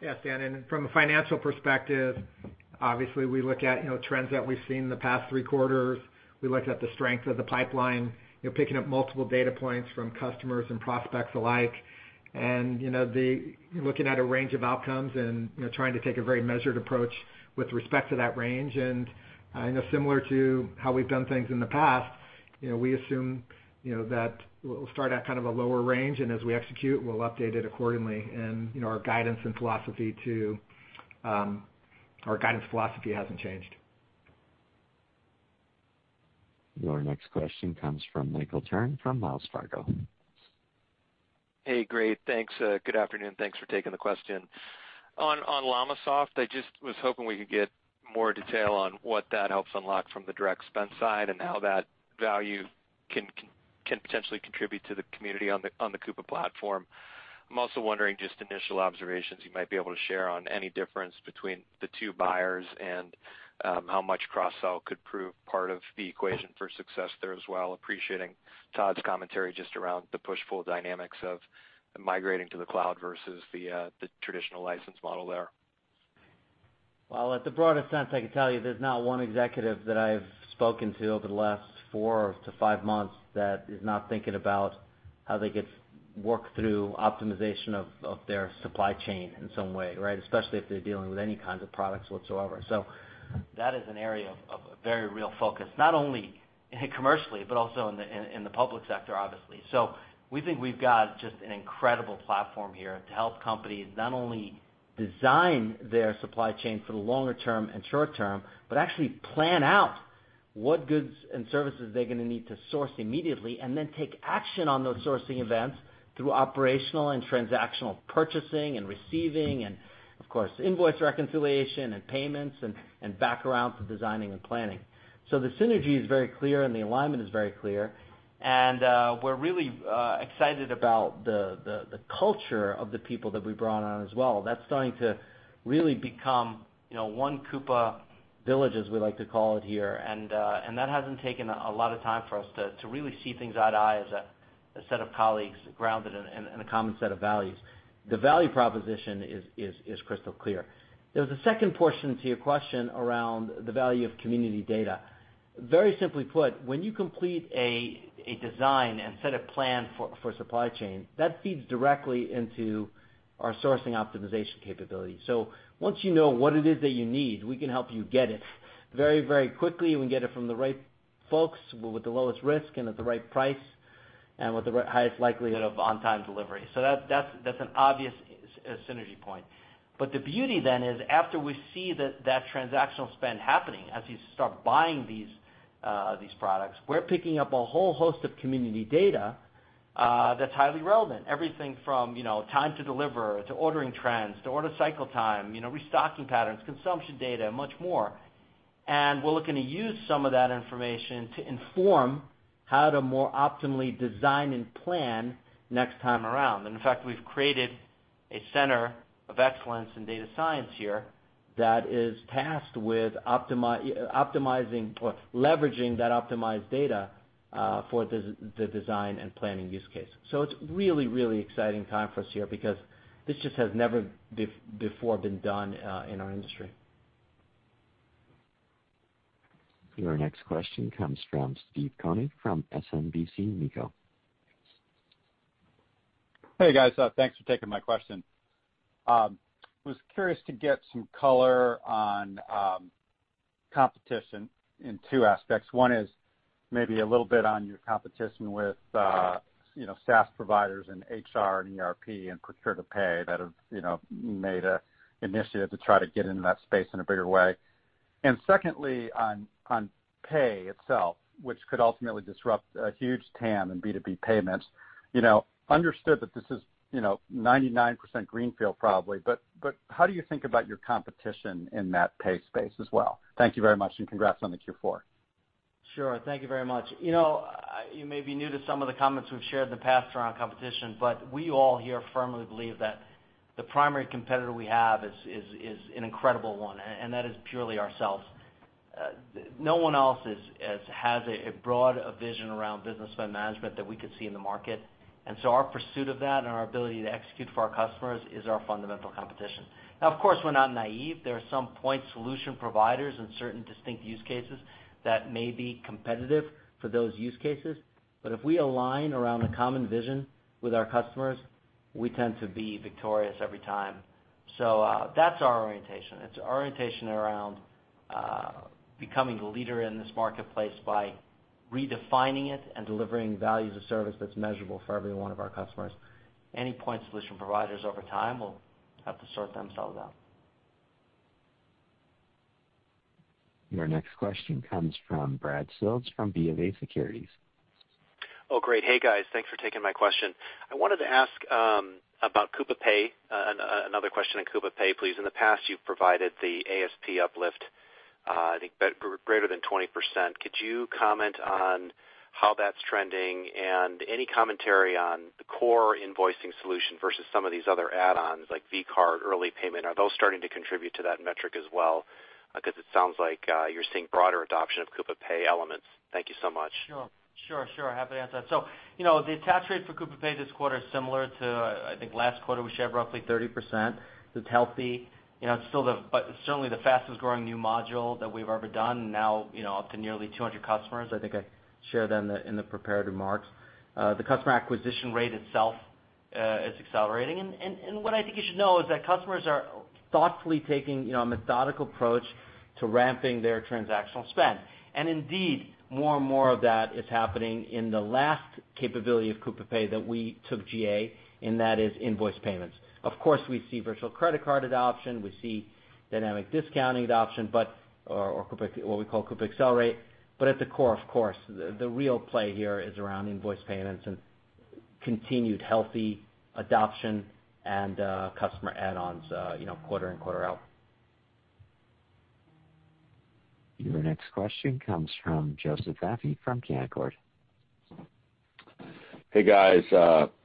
Yeah, Stan, from a financial perspective, obviously, we look at trends that we've seen in the past three quarters. We looked at the strength of the pipeline, picking up multiple data points from customers and prospects alike. Looking at a range of outcomes and trying to take a very measured approach with respect to that range. I know similar to how we've done things in the past, we assume that we'll start at kind of a lower range, and as we execute, we'll update it accordingly. Our guidance philosophy hasn't changed. Your next question comes from Michael Turrin from Wells Fargo. Hey, great. Thanks. Good afternoon. Thanks for taking the question. On LLamasoft, I just was hoping we could get more detail on what that helps unlock from the direct spend side and how that value can potentially contribute to the community on the Coupa platform. I'm also wondering just initial observations you might be able to share on any difference between the two buyers and how much cross-sell could prove part of the equation for success there as well, appreciating Todd's commentary just around the push-pull dynamics of migrating to the cloud versus the traditional license model there. Well, at the broadest sense, I can tell you there's not one executive that I've spoken to over the last four to five months that is not thinking about how they could work through optimization of their supply chain in some way, right? Especially if they're dealing with any kinds of products whatsoever. That is an area of a very real focus, not only commercially, but also in the public sector, obviously. We think we've got just an incredible platform here to help companies not only design their supply chain for the longer term and short term, but actually plan out what goods and services they're going to need to source immediately, and then take action on those sourcing events through operational and transactional purchasing and receiving and, of course, invoice reconciliation and payments and back around to designing and planning. The synergy is very clear, and the alignment is very clear, and we're really excited about the culture of the people that we brought on as well. That's starting to really become one Coupa village, as we like to call it here, and that hasn't taken a lot of time for us to really see things eye to eye as a set of colleagues grounded in a common set of values. The value proposition is crystal clear. There was a second portion to your question around the value of community data. Very simply put, when you complete a design and set a plan for supply chain, that feeds directly into our sourcing optimization capability. Once you know what it is that you need, we can help you get it very, very quickly. We can get it from the right folks with the lowest risk and at the right price and with the highest likelihood of on-time delivery. That's an obvious synergy point. The beauty then is after we see that transactional spend happening, as you start buying these products, we're picking up a whole host of community data that's highly relevant. Everything from time to deliver to ordering trends to order cycle time, restocking patterns, consumption data, and much more. We're looking to use some of that information to inform how to more optimally design and plan next time around. In fact, we've created a center of excellence in data science here that is tasked with leveraging that optimized data for the design and planning use case. It's really, really exciting time for us here because this just has never before been done in our industry. Your next question comes from Steve Koenig from SMBC Nikko. Hey, guys. Thanks for taking my question. Was curious to get some color on competition in two aspects. One is maybe a little bit on your competition with SaaS providers and HR and ERP and procure to pay that have made an initiative to try to get into that space in a bigger way. Secondly, on pay itself, which could ultimately disrupt a huge TAM in B2B payments. Understood that this is 99% greenfield probably, but how do you think about your competition in that pay space as well? Thank you very much, and congrats on the Q4. Sure. Thank you very much. You may be new to some of the comments we've shared in the past around competition. We all here firmly believe that the primary competitor we have is an incredible one, and that is purely ourselves. No one else has as broad a vision around Business Spend Management that we could see in the market. Our pursuit of that and our ability to execute for our customers is our fundamental competition. Now, of course, we're not naive. There are some point solution providers in certain distinct use cases that may be competitive for those use cases. If we align around a common vision with our customers, we tend to be victorious every time. That's our orientation. It's our orientation around becoming the leader in this marketplace by redefining it and delivering value as a service that's measurable for every one of our customers. Any point solution providers over time will have to sort themselves out. Your next question comes from Brad Sills from BofA Securities. Oh, great. Hey, guys. Thanks for taking my question. I wanted to ask about Coupa Pay, another question on Coupa Pay, please. In the past, you've provided the ASP uplift, I think, greater than 20%. Could you comment on how that's trending and any commentary on the core invoicing solution versus some of these other add-ons like vCard, early payment? Are those starting to contribute to that metric as well? It sounds like you're seeing broader adoption of Coupa Pay elements. Thank you so much. Sure. Happy to answer that. The attach rate for Coupa Pay this quarter is similar to, I think last quarter we shared roughly 30%, so it's healthy. It's certainly the fastest-growing new module that we've ever done, now up to nearly 200 customers, I think I shared that in the prepared remarks. The customer acquisition rate itself is accelerating. What I think you should know is that customers are thoughtfully taking a methodical approach to ramping their transactional spend. Indeed, more and more of that is happening in the last capability of Coupa Pay that we took GA, and that is invoice payments. Of course, we see virtual credit card adoption, we see dynamic discounting adoption, or what we call Coupa Accelerate. At the core, of course, the real play here is around invoice payments and continued healthy adoption and customer add-ons quarter in, quarter out. Your next question comes from Joseph Vafi from Canaccord. Hey, guys.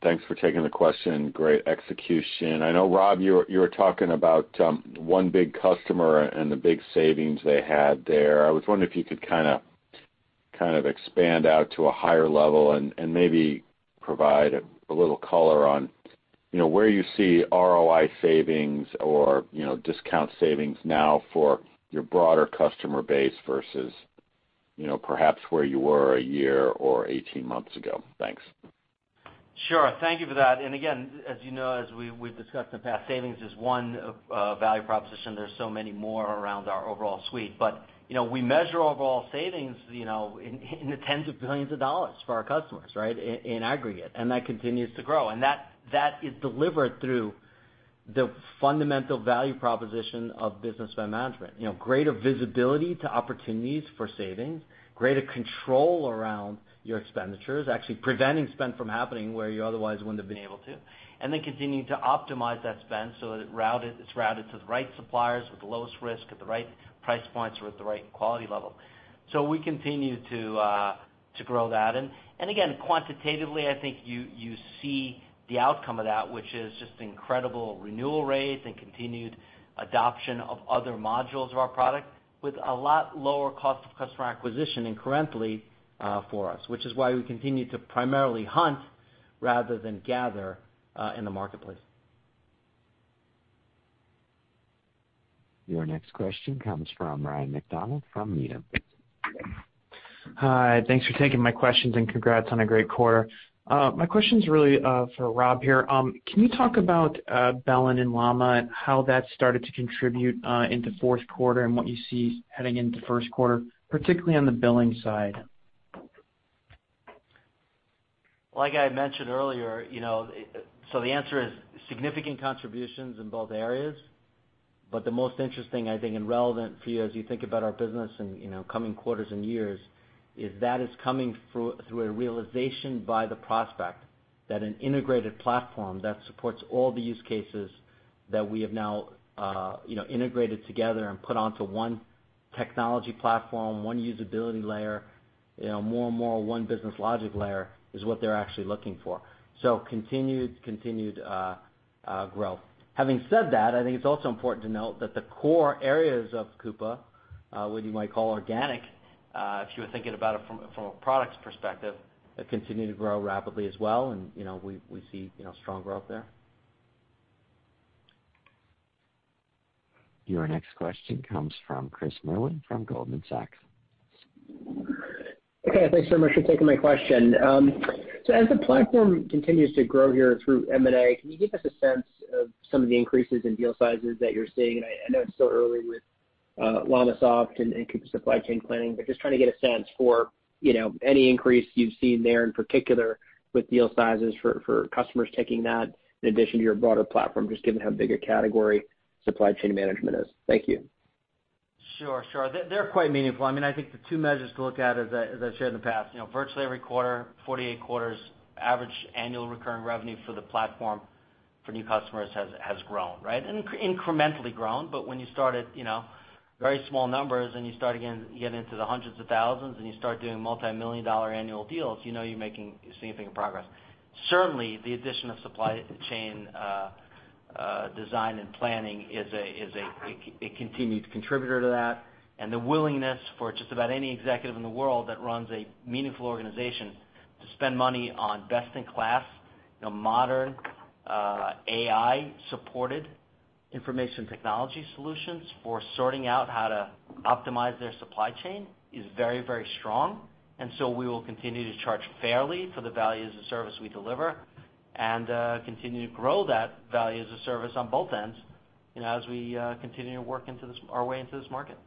Thanks for taking the question. Great execution. I know, Rob, you were talking about one big customer and the big savings they had there. I was wondering if you could kind of expand out to a higher level and maybe provide a little color on where you see ROI savings or discount savings now for your broader customer base versus perhaps where you were a year or 18 months ago. Thanks. Sure. Thank you for that. Again, as you know, as we've discussed in the past, savings is one value proposition. There's so many more around our overall suite. We measure overall savings in the tens of billions of dollars for our customers, right, in aggregate, and that continues to grow. That is delivered through the fundamental value proposition of Business Spend Management. Greater visibility to opportunities for savings, greater control around your expenditures, actually preventing spend from happening where you otherwise wouldn't have been able to. Then continuing to optimize that spend so that it's routed to the right suppliers with the lowest risk at the right price points or at the right quality level. We continue to grow that. Again, quantitatively, I think you see the outcome of that, which is just incredible renewal rates and continued adoption of other modules of our product with a lot lower cost of customer acquisition concurrently for us. Which is why we continue to primarily hunt rather than gather in the marketplace. Your next question comes from Ryan MacDonald from Needham. Hi. Thanks for taking my questions, and congrats on a great quarter. My question's really for Rob here. Can you talk about BELLIN and LLAMA and how that started to contribute into fourth quarter and what you see heading into first quarter, particularly on the BELLIN side? Like I had mentioned earlier, the answer is significant contributions in both areas. The most interesting, I think, and relevant for you as you think about our business in coming quarters and years, is that is coming through a realization by the prospect that an integrated platform that supports all the use cases that we have now integrated together and put onto one technology platform, one usability layer, more and more one business logic layer, is what they're actually looking for. Continued growth. Having said that, I think it's also important to note that the core areas of Coupa, what you might call organic, if you were thinking about it from a products perspective, they continue to grow rapidly as well, and we see strong growth there. Your next question comes from Chris Merwin from Goldman Sachs. Thanks so much for taking my question. As the platform continues to grow here through M&A, can you give us a sense of some of the increases in deal sizes that you're seeing? I know it's still early with LLamasoft and Coupa Supply Chain Design & Planning, but just trying to get a sense for any increase you've seen there in particular with deal sizes for customers taking that in addition to your broader platform, just given how big a category supply chain management is. Thank you. Sure. They're quite meaningful. I think the two measures to look at, as I've shared in the past, virtually every quarter, 48 quarters, average annual recurring revenue for the platform for new customers has grown. Incrementally grown, but when you start at very small numbers and you start getting into the hundreds of thousands and you start doing multimillion-dollar annual deals, you know you're making significant progress. Certainly, the addition of Supply Chain Design & Planning continues to contribute to that, and the willingness for just about any executive in the world that runs a meaningful organization to spend money on best-in-class, modern, AI-supported information technology solutions for sorting out how to optimize their supply chain is very strong. We will continue to charge fairly for the value as a service we deliver, and continue to grow that value as a service on both ends, as we continue to work our way into this market.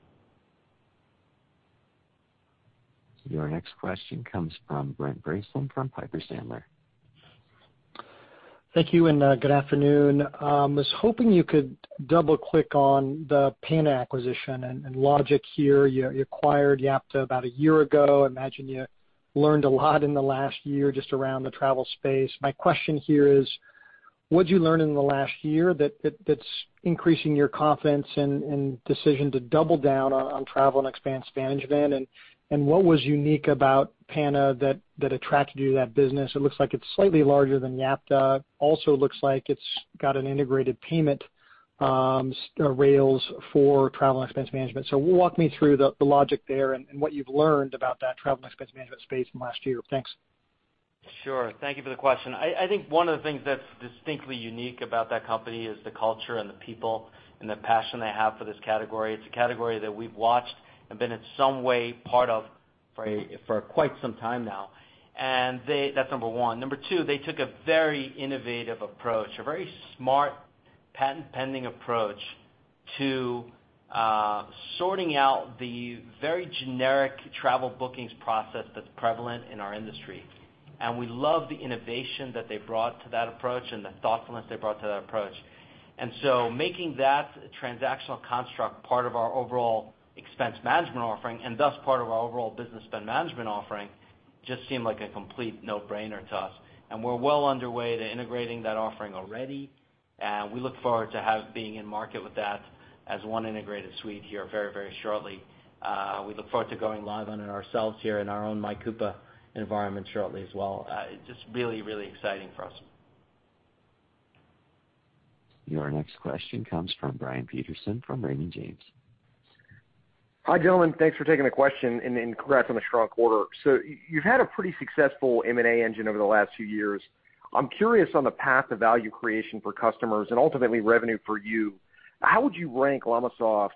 Your next question comes from Brent Bracelin from Piper Sandler. Thank you, and good afternoon. I was hoping you could double-click on the Pana acquisition and logic here. You acquired Yapta about a year ago. I imagine you learned a lot in the last year just around the travel space. My question here is, what did you learn in the last year that's increasing your confidence and decision to double down on travel and expense management? What was unique about Pana that attracted you to that business? It looks like it's slightly larger than Yapta. Also looks like it's got an integrated payment rails for travel and expense management. Walk me through the logic there and what you've learned about that travel and expense management space in the last year. Thanks. Sure. Thank you for the question. I think one of the things that's distinctly unique about that company is the culture and the people and the passion they have for this category. It's a category that we've watched and been in some way part of for quite some time now. That's number one. Number two, they took a very innovative approach, a very smart patent-pending approach to sorting out the very generic travel bookings process that's prevalent in our industry. We love the innovation that they brought to that approach and the thoughtfulness they brought to that approach. Making that transactional construct part of our overall expense management offering, and thus part of our overall Business Spend Management offering, just seemed like a complete no-brainer to us. We're well underway to integrating that offering already. We look forward to being in market with that as one integrated suite here very shortly. We look forward to going live on it ourselves here in our own MyCoupa environment shortly as well. It is just really exciting for us. Your next question comes from Brian Peterson from Raymond James. Hi, gentlemen. Thanks for taking the question, and congrats on the strong quarter. You've had a pretty successful M&A engine over the last few years. I'm curious on the path to value creation for customers and ultimately revenue for you. How would you rank LLamasoft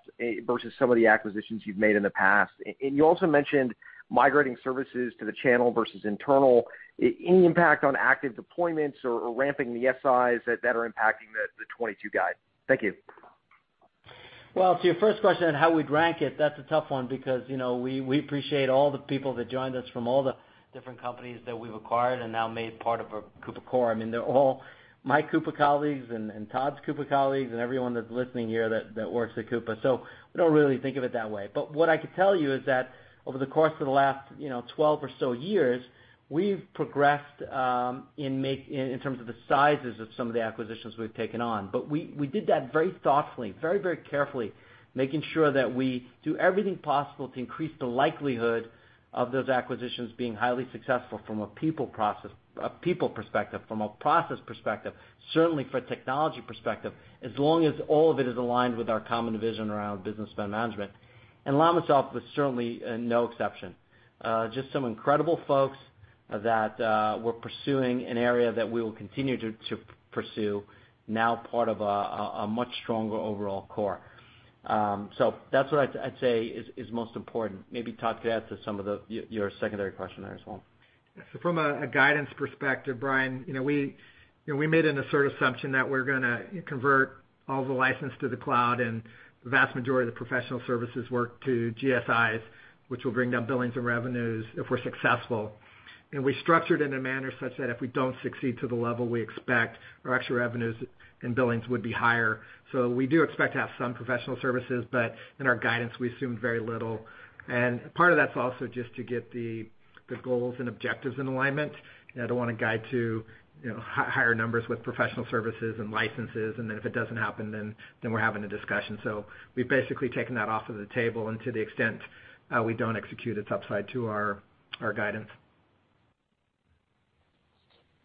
versus some of the acquisitions you've made in the past? And you also mentioned migrating services to the channel versus internal. Any impact on active deployments or ramping the SIs that are impacting the 2022 guide? Thank you. Well, to your first question on how we'd rank it, that's a tough one because we appreciate all the people that joined us from all the different companies that we've acquired and now made part of our Coupa Core. They're all my Coupa colleagues and Todd's Coupa colleagues and everyone that's listening here that works at Coupa, we don't really think of it that way. What I could tell you is that over the course of the last 12 or so years, we've progressed in terms of the sizes of some of the acquisitions we've taken on. We did that very thoughtfully, very carefully, making sure that we do everything possible to increase the likelihood of those acquisitions being highly successful from a people perspective, from a process perspective, certainly from a technology perspective, as long as all of it is aligned with our common vision around Business Spend Management. LLamasoft was certainly no exception. Just some incredible folks that were pursuing an area that we will continue to pursue, now part of a much stronger overall core. That's what I'd say is most important. Maybe Todd could add to your secondary question there as well. From a guidance perspective, Brian, we made an assertion that we're going to convert all the license to the cloud and the vast majority of the professional services work to GSIs, which will bring down billings and revenues if we're successful. We structured in a manner such that if we don't succeed to the level we expect, our actual revenues and billings would be higher. We do expect to have some professional services, but in our guidance, we assumed very little. Part of that's also just to get the goals and objectives in alignment. I don't want to guide to higher numbers with professional services and licenses, and then if it doesn't happen, then we're having a discussion. We've basically taken that off of the table, and to the extent we don't execute, it's upside to our guidance.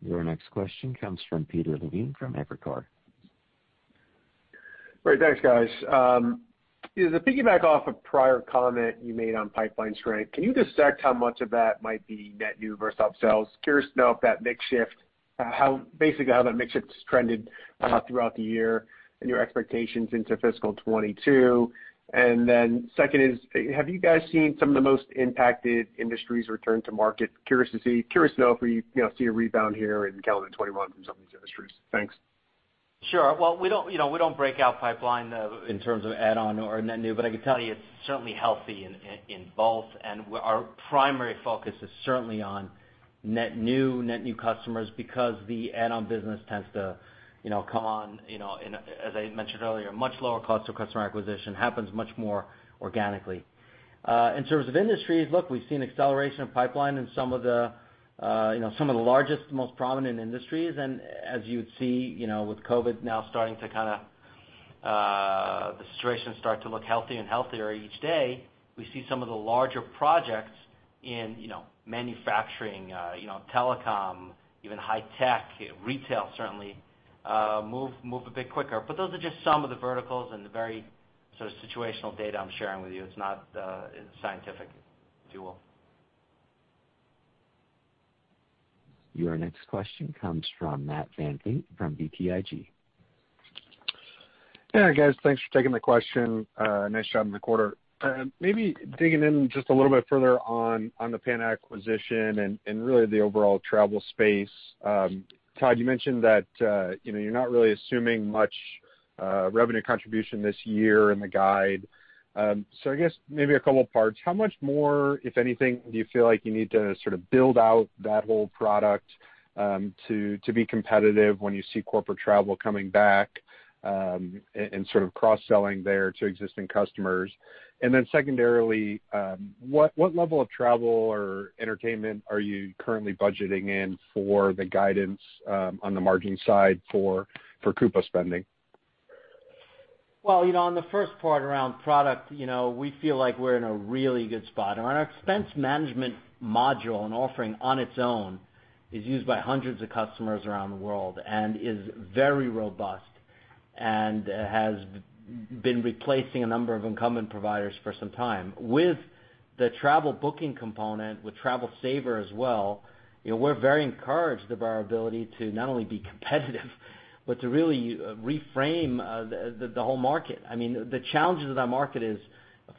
Your next question comes from Peter Levine from Evercore. Great. Thanks, guys. To piggyback off a prior comment you made on pipeline strength, can you dissect how much of that might be net new versus upsells? Curious to know basically how that mix shift has trended throughout the year and your expectations into fiscal 2022. Second is, have you guys seen some of the most impacted industries return to market? Curious to know if we see a rebound here in calendar 2021 from some of these industries. Thanks. Sure. Well, we don't break out pipeline in terms of add-on or net new, but I can tell you it's certainly healthy in both. Our primary focus is certainly on net new customers because the add-on business tends to come on, as I mentioned earlier, much lower cost to customer acquisition, happens much more organically. In terms of industries, look, we've seen acceleration of pipeline in some of the largest, most prominent industries. As you'd see, with COVID now starting to The situation start to look healthy and healthier each day. We see some of the larger projects in manufacturing, telecom, even high tech, retail certainly, move a bit quicker. Those are just some of the verticals and the very situational data I'm sharing with you. It's not scientific, Julian. Your next question comes from Matt VanVliet from BTIG. Yeah, guys, thanks for taking the question. Nice job in the quarter. Maybe digging in just a little bit further on the Pana acquisition and really the overall travel space. Todd, you mentioned that you're not really assuming much revenue contribution this year in the guide. I guess maybe a couple of parts. How much more, if anything, do you feel like you need to sort of build out that whole product, to be competitive when you see corporate travel coming back, and sort of cross-selling there to existing customers? Secondarily, what level of travel or entertainment are you currently budgeting in for the guidance on the margin side for Coupa spending? Well, on the first part around product, we feel like we're in a really good spot. On our expense management module and offering on its own is used by hundreds of customers around the world and is very robust and has been replacing a number of incumbent providers for some time. With the travel booking component, with Travel Saver as well, we're very encouraged of our ability to not only be competitive, but to really reframe the whole market. I mean, the challenges of that market is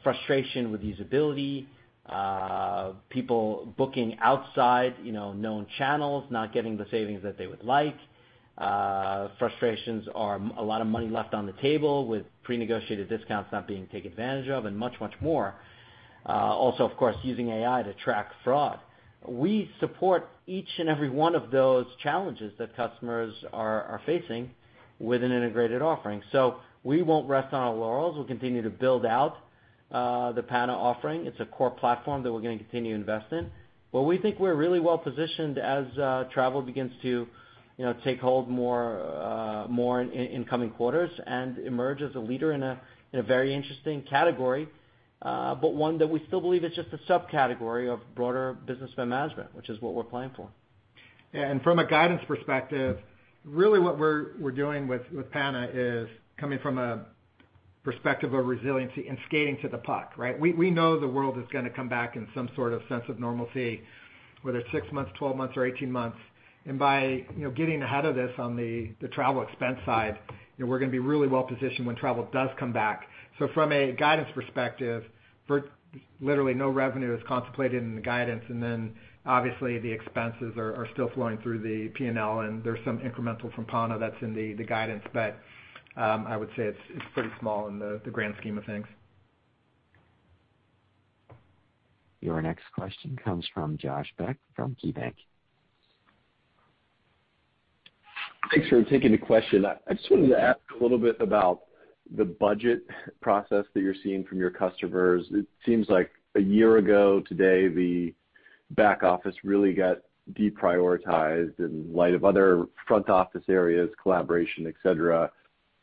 frustration with usability, people booking outside known channels, not getting the savings that they would like. Frustrations are a lot of money left on the table with pre-negotiated discounts not being taken advantage of, and much, much more. Of course, using AI to track fraud. We support each and every one of those challenges that customers are facing with an integrated offering. We won't rest on our laurels. We'll continue to build out the Pana offering. It's a core platform that we're going to continue to invest in. We think we're really well-positioned as travel begins to take hold more in coming quarters and emerge as a leader in a very interesting category. One that we still believe is just a subcategory of broader Business Spend Management, which is what we're playing for. Yeah, from a guidance perspective, really what we're doing with Pana is coming from a perspective of resiliency and skating to the puck, right? We know the world is going to come back in some sort of sense of normalcy, whether it's six months, 12 months, or 18 months. By getting ahead of this on the travel expense side, we're going to be really well-positioned when travel does come back. From a guidance perspective, literally no revenue is contemplated in the guidance, and then obviously the expenses are still flowing through the P&L, and there's some incremental from Pana that's in the guidance. I would say it's pretty small in the grand scheme of things. Your next question comes from Josh Beck from KeyBanc. Thanks for taking the question. I just wanted to ask a little bit about the budget process that you're seeing from your customers. It seems like a year ago today, the back office really got deprioritized in light of other front office areas, collaboration, et cetera.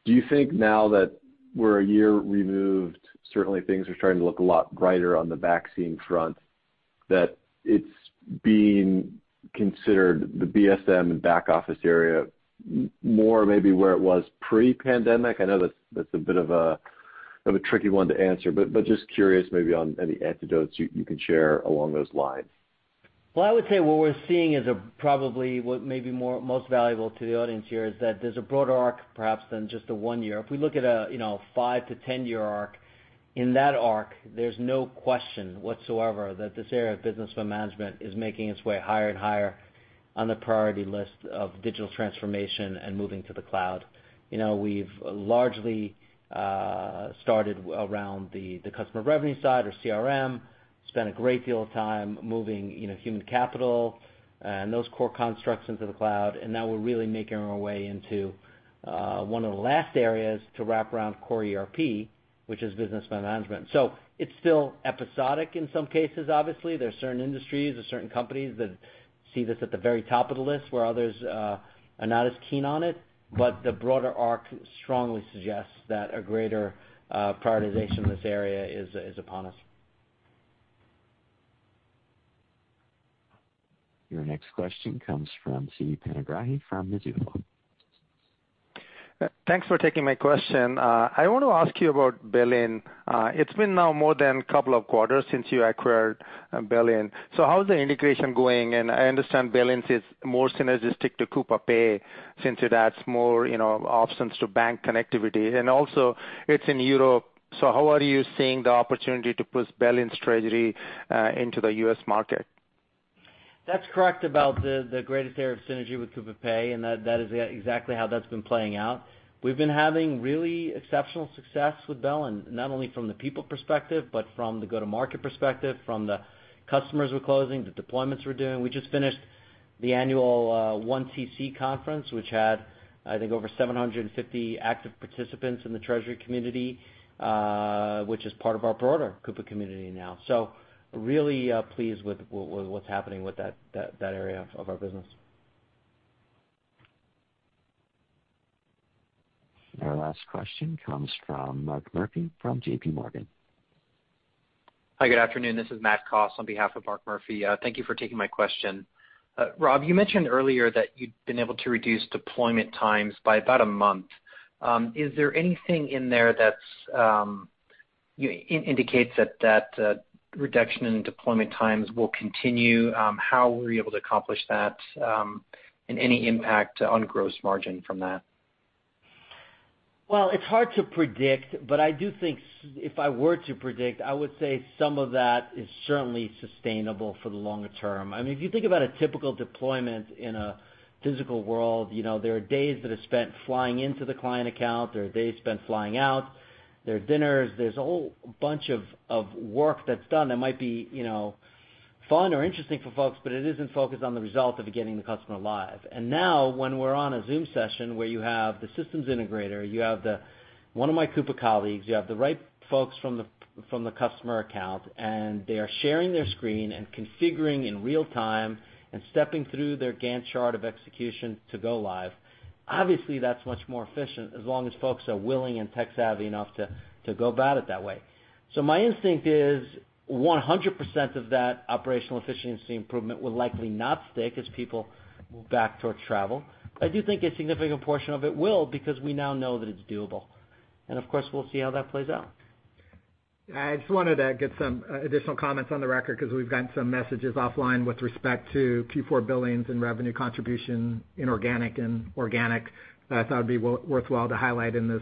Do you think now that we're a year removed, certainly things are starting to look a lot brighter on the vaccine front, that it's being considered the BSM and back office area more maybe where it was pre-pandemic? I know that's a bit of a tricky one to answer, but just curious maybe on any anecdotes you can share along those lines. Well, I would say what we're seeing is probably what may be most valuable to the audience here is that there's a broader arc perhaps than just a one-year. If we look at a 5-10 year arc, in that arc, there's no question whatsoever that this area of business management is making its way higher and higher on the priority list of digital transformation and moving to the cloud. We've largely started around the customer revenue side or CRM, spent a great deal of time moving human capital and those core constructs into the cloud, now we're really making our way into one of the last areas to wrap around core ERP, which is Business Spend Management. It's still episodic in some cases. Obviously, there's certain industries or certain companies that see this at the very top of the list where others are not as keen on it. The broader arc strongly suggests that a greater prioritization in this area is upon us. Your next question comes from Siti Panigrahi from Mizuho. Thanks for taking my question. I want to ask you about BELLIN. It's been now more than a couple of quarters since you acquired BELLIN. How is the integration going? I understand BELLIN is more synergistic to Coupa Pay since it adds more options to bank connectivity. It's in Europe, how are you seeing the opportunity to push BELLIN strategy into the U.S. market? That's correct about the greatest area of synergy with Coupa Pay, and that is exactly how that's been playing out. We've been having really exceptional success with BELLIN, not only from the people perspective, but from the go-to-market perspective, from the customers we're closing, the deployments we're doing. We just finished the annual 1TC conference, which had, I think, over 750 active participants in the treasury community, which is part of our broader Coupa community now. Really pleased with what's happening with that area of our business. Our last question comes from Mark Murphy from JPMorgan. Hi, good afternoon. This is Matt Koss on behalf of Mark Murphy. Thank you for taking my question. Rob, you mentioned earlier that you'd been able to reduce deployment times by about a month. Is there anything in there that indicates that reduction in deployment times will continue? How were you able to accomplish that? Any impact on gross margin from that? Well, it's hard to predict, but I do think if I were to predict, I would say some of that is certainly sustainable for the longer term. If you think about a typical deployment in a physical world, there are days that are spent flying into the client account. There are days spent flying out. There are dinners. There's a whole bunch of work that's done that might be fun or interesting for folks, but it isn't focused on the result of getting the customer live. Now, when we're on a Zoom session where you have the systems integrator, you have one of my Coupa colleagues, you have the right folks from the customer account, and they are sharing their screen and configuring in real time and stepping through their Gantt chart of execution to go live. Obviously, that's much more efficient as long as folks are willing and tech-savvy enough to go about it that way. My instinct is 100% of that operational efficiency improvement will likely not stick as people move back towards travel. I do think a significant portion of it will, because we now know that it's doable. Of course, we'll see how that plays out. I just wanted to get some additional comments on the record because we've gotten some messages offline with respect to Q4 billings and revenue contribution, inorganic and organic, that I thought would be worthwhile to highlight in this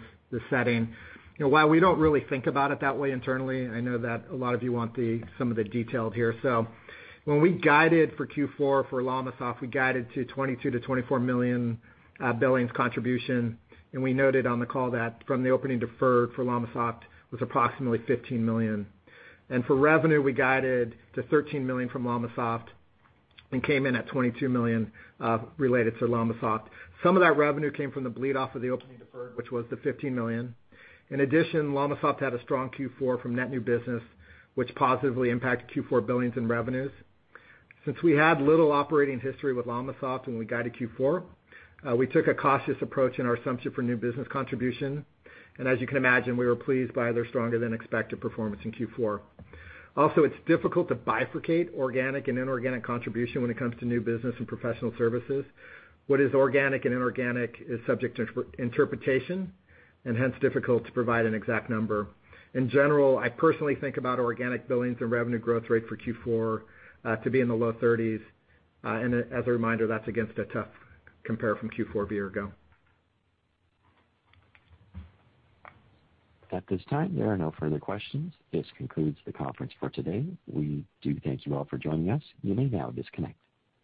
setting. While we don't really think about it that way internally, I know that a lot of you want some of the details here. When we guided for Q4 for LLamasoft, we guided to $22 million-$24 million billings contribution, and we noted on the call that from the opening deferred for LLamasoft was approximately $15 million. For revenue, we guided to $13 million from LLamasoft and came in at $22 million related to LLamasoft. Some of that revenue came from the bleed off of the opening deferred, which was the $15 million. In addition, LLamasoft had a strong Q4 from net new business, which positively impacted Q4 billings and revenues. Since we had little operating history with LLamasoft when we guided Q4, we took a cautious approach in our assumption for new business contribution. As you can imagine, we were pleased by their stronger than expected performance in Q4. Also, it's difficult to bifurcate organic and inorganic contribution when it comes to new business and professional services. What is organic and inorganic is subject to interpretation and hence difficult to provide an exact number. In general, I personally think about organic billings and revenue growth rate for Q4 to be in the low 30s. As a reminder, that's against a tough compare from Q4 a year ago. At this time, there are no further questions. This concludes the conference for today. We do thank you all for joining us. You may now disconnect.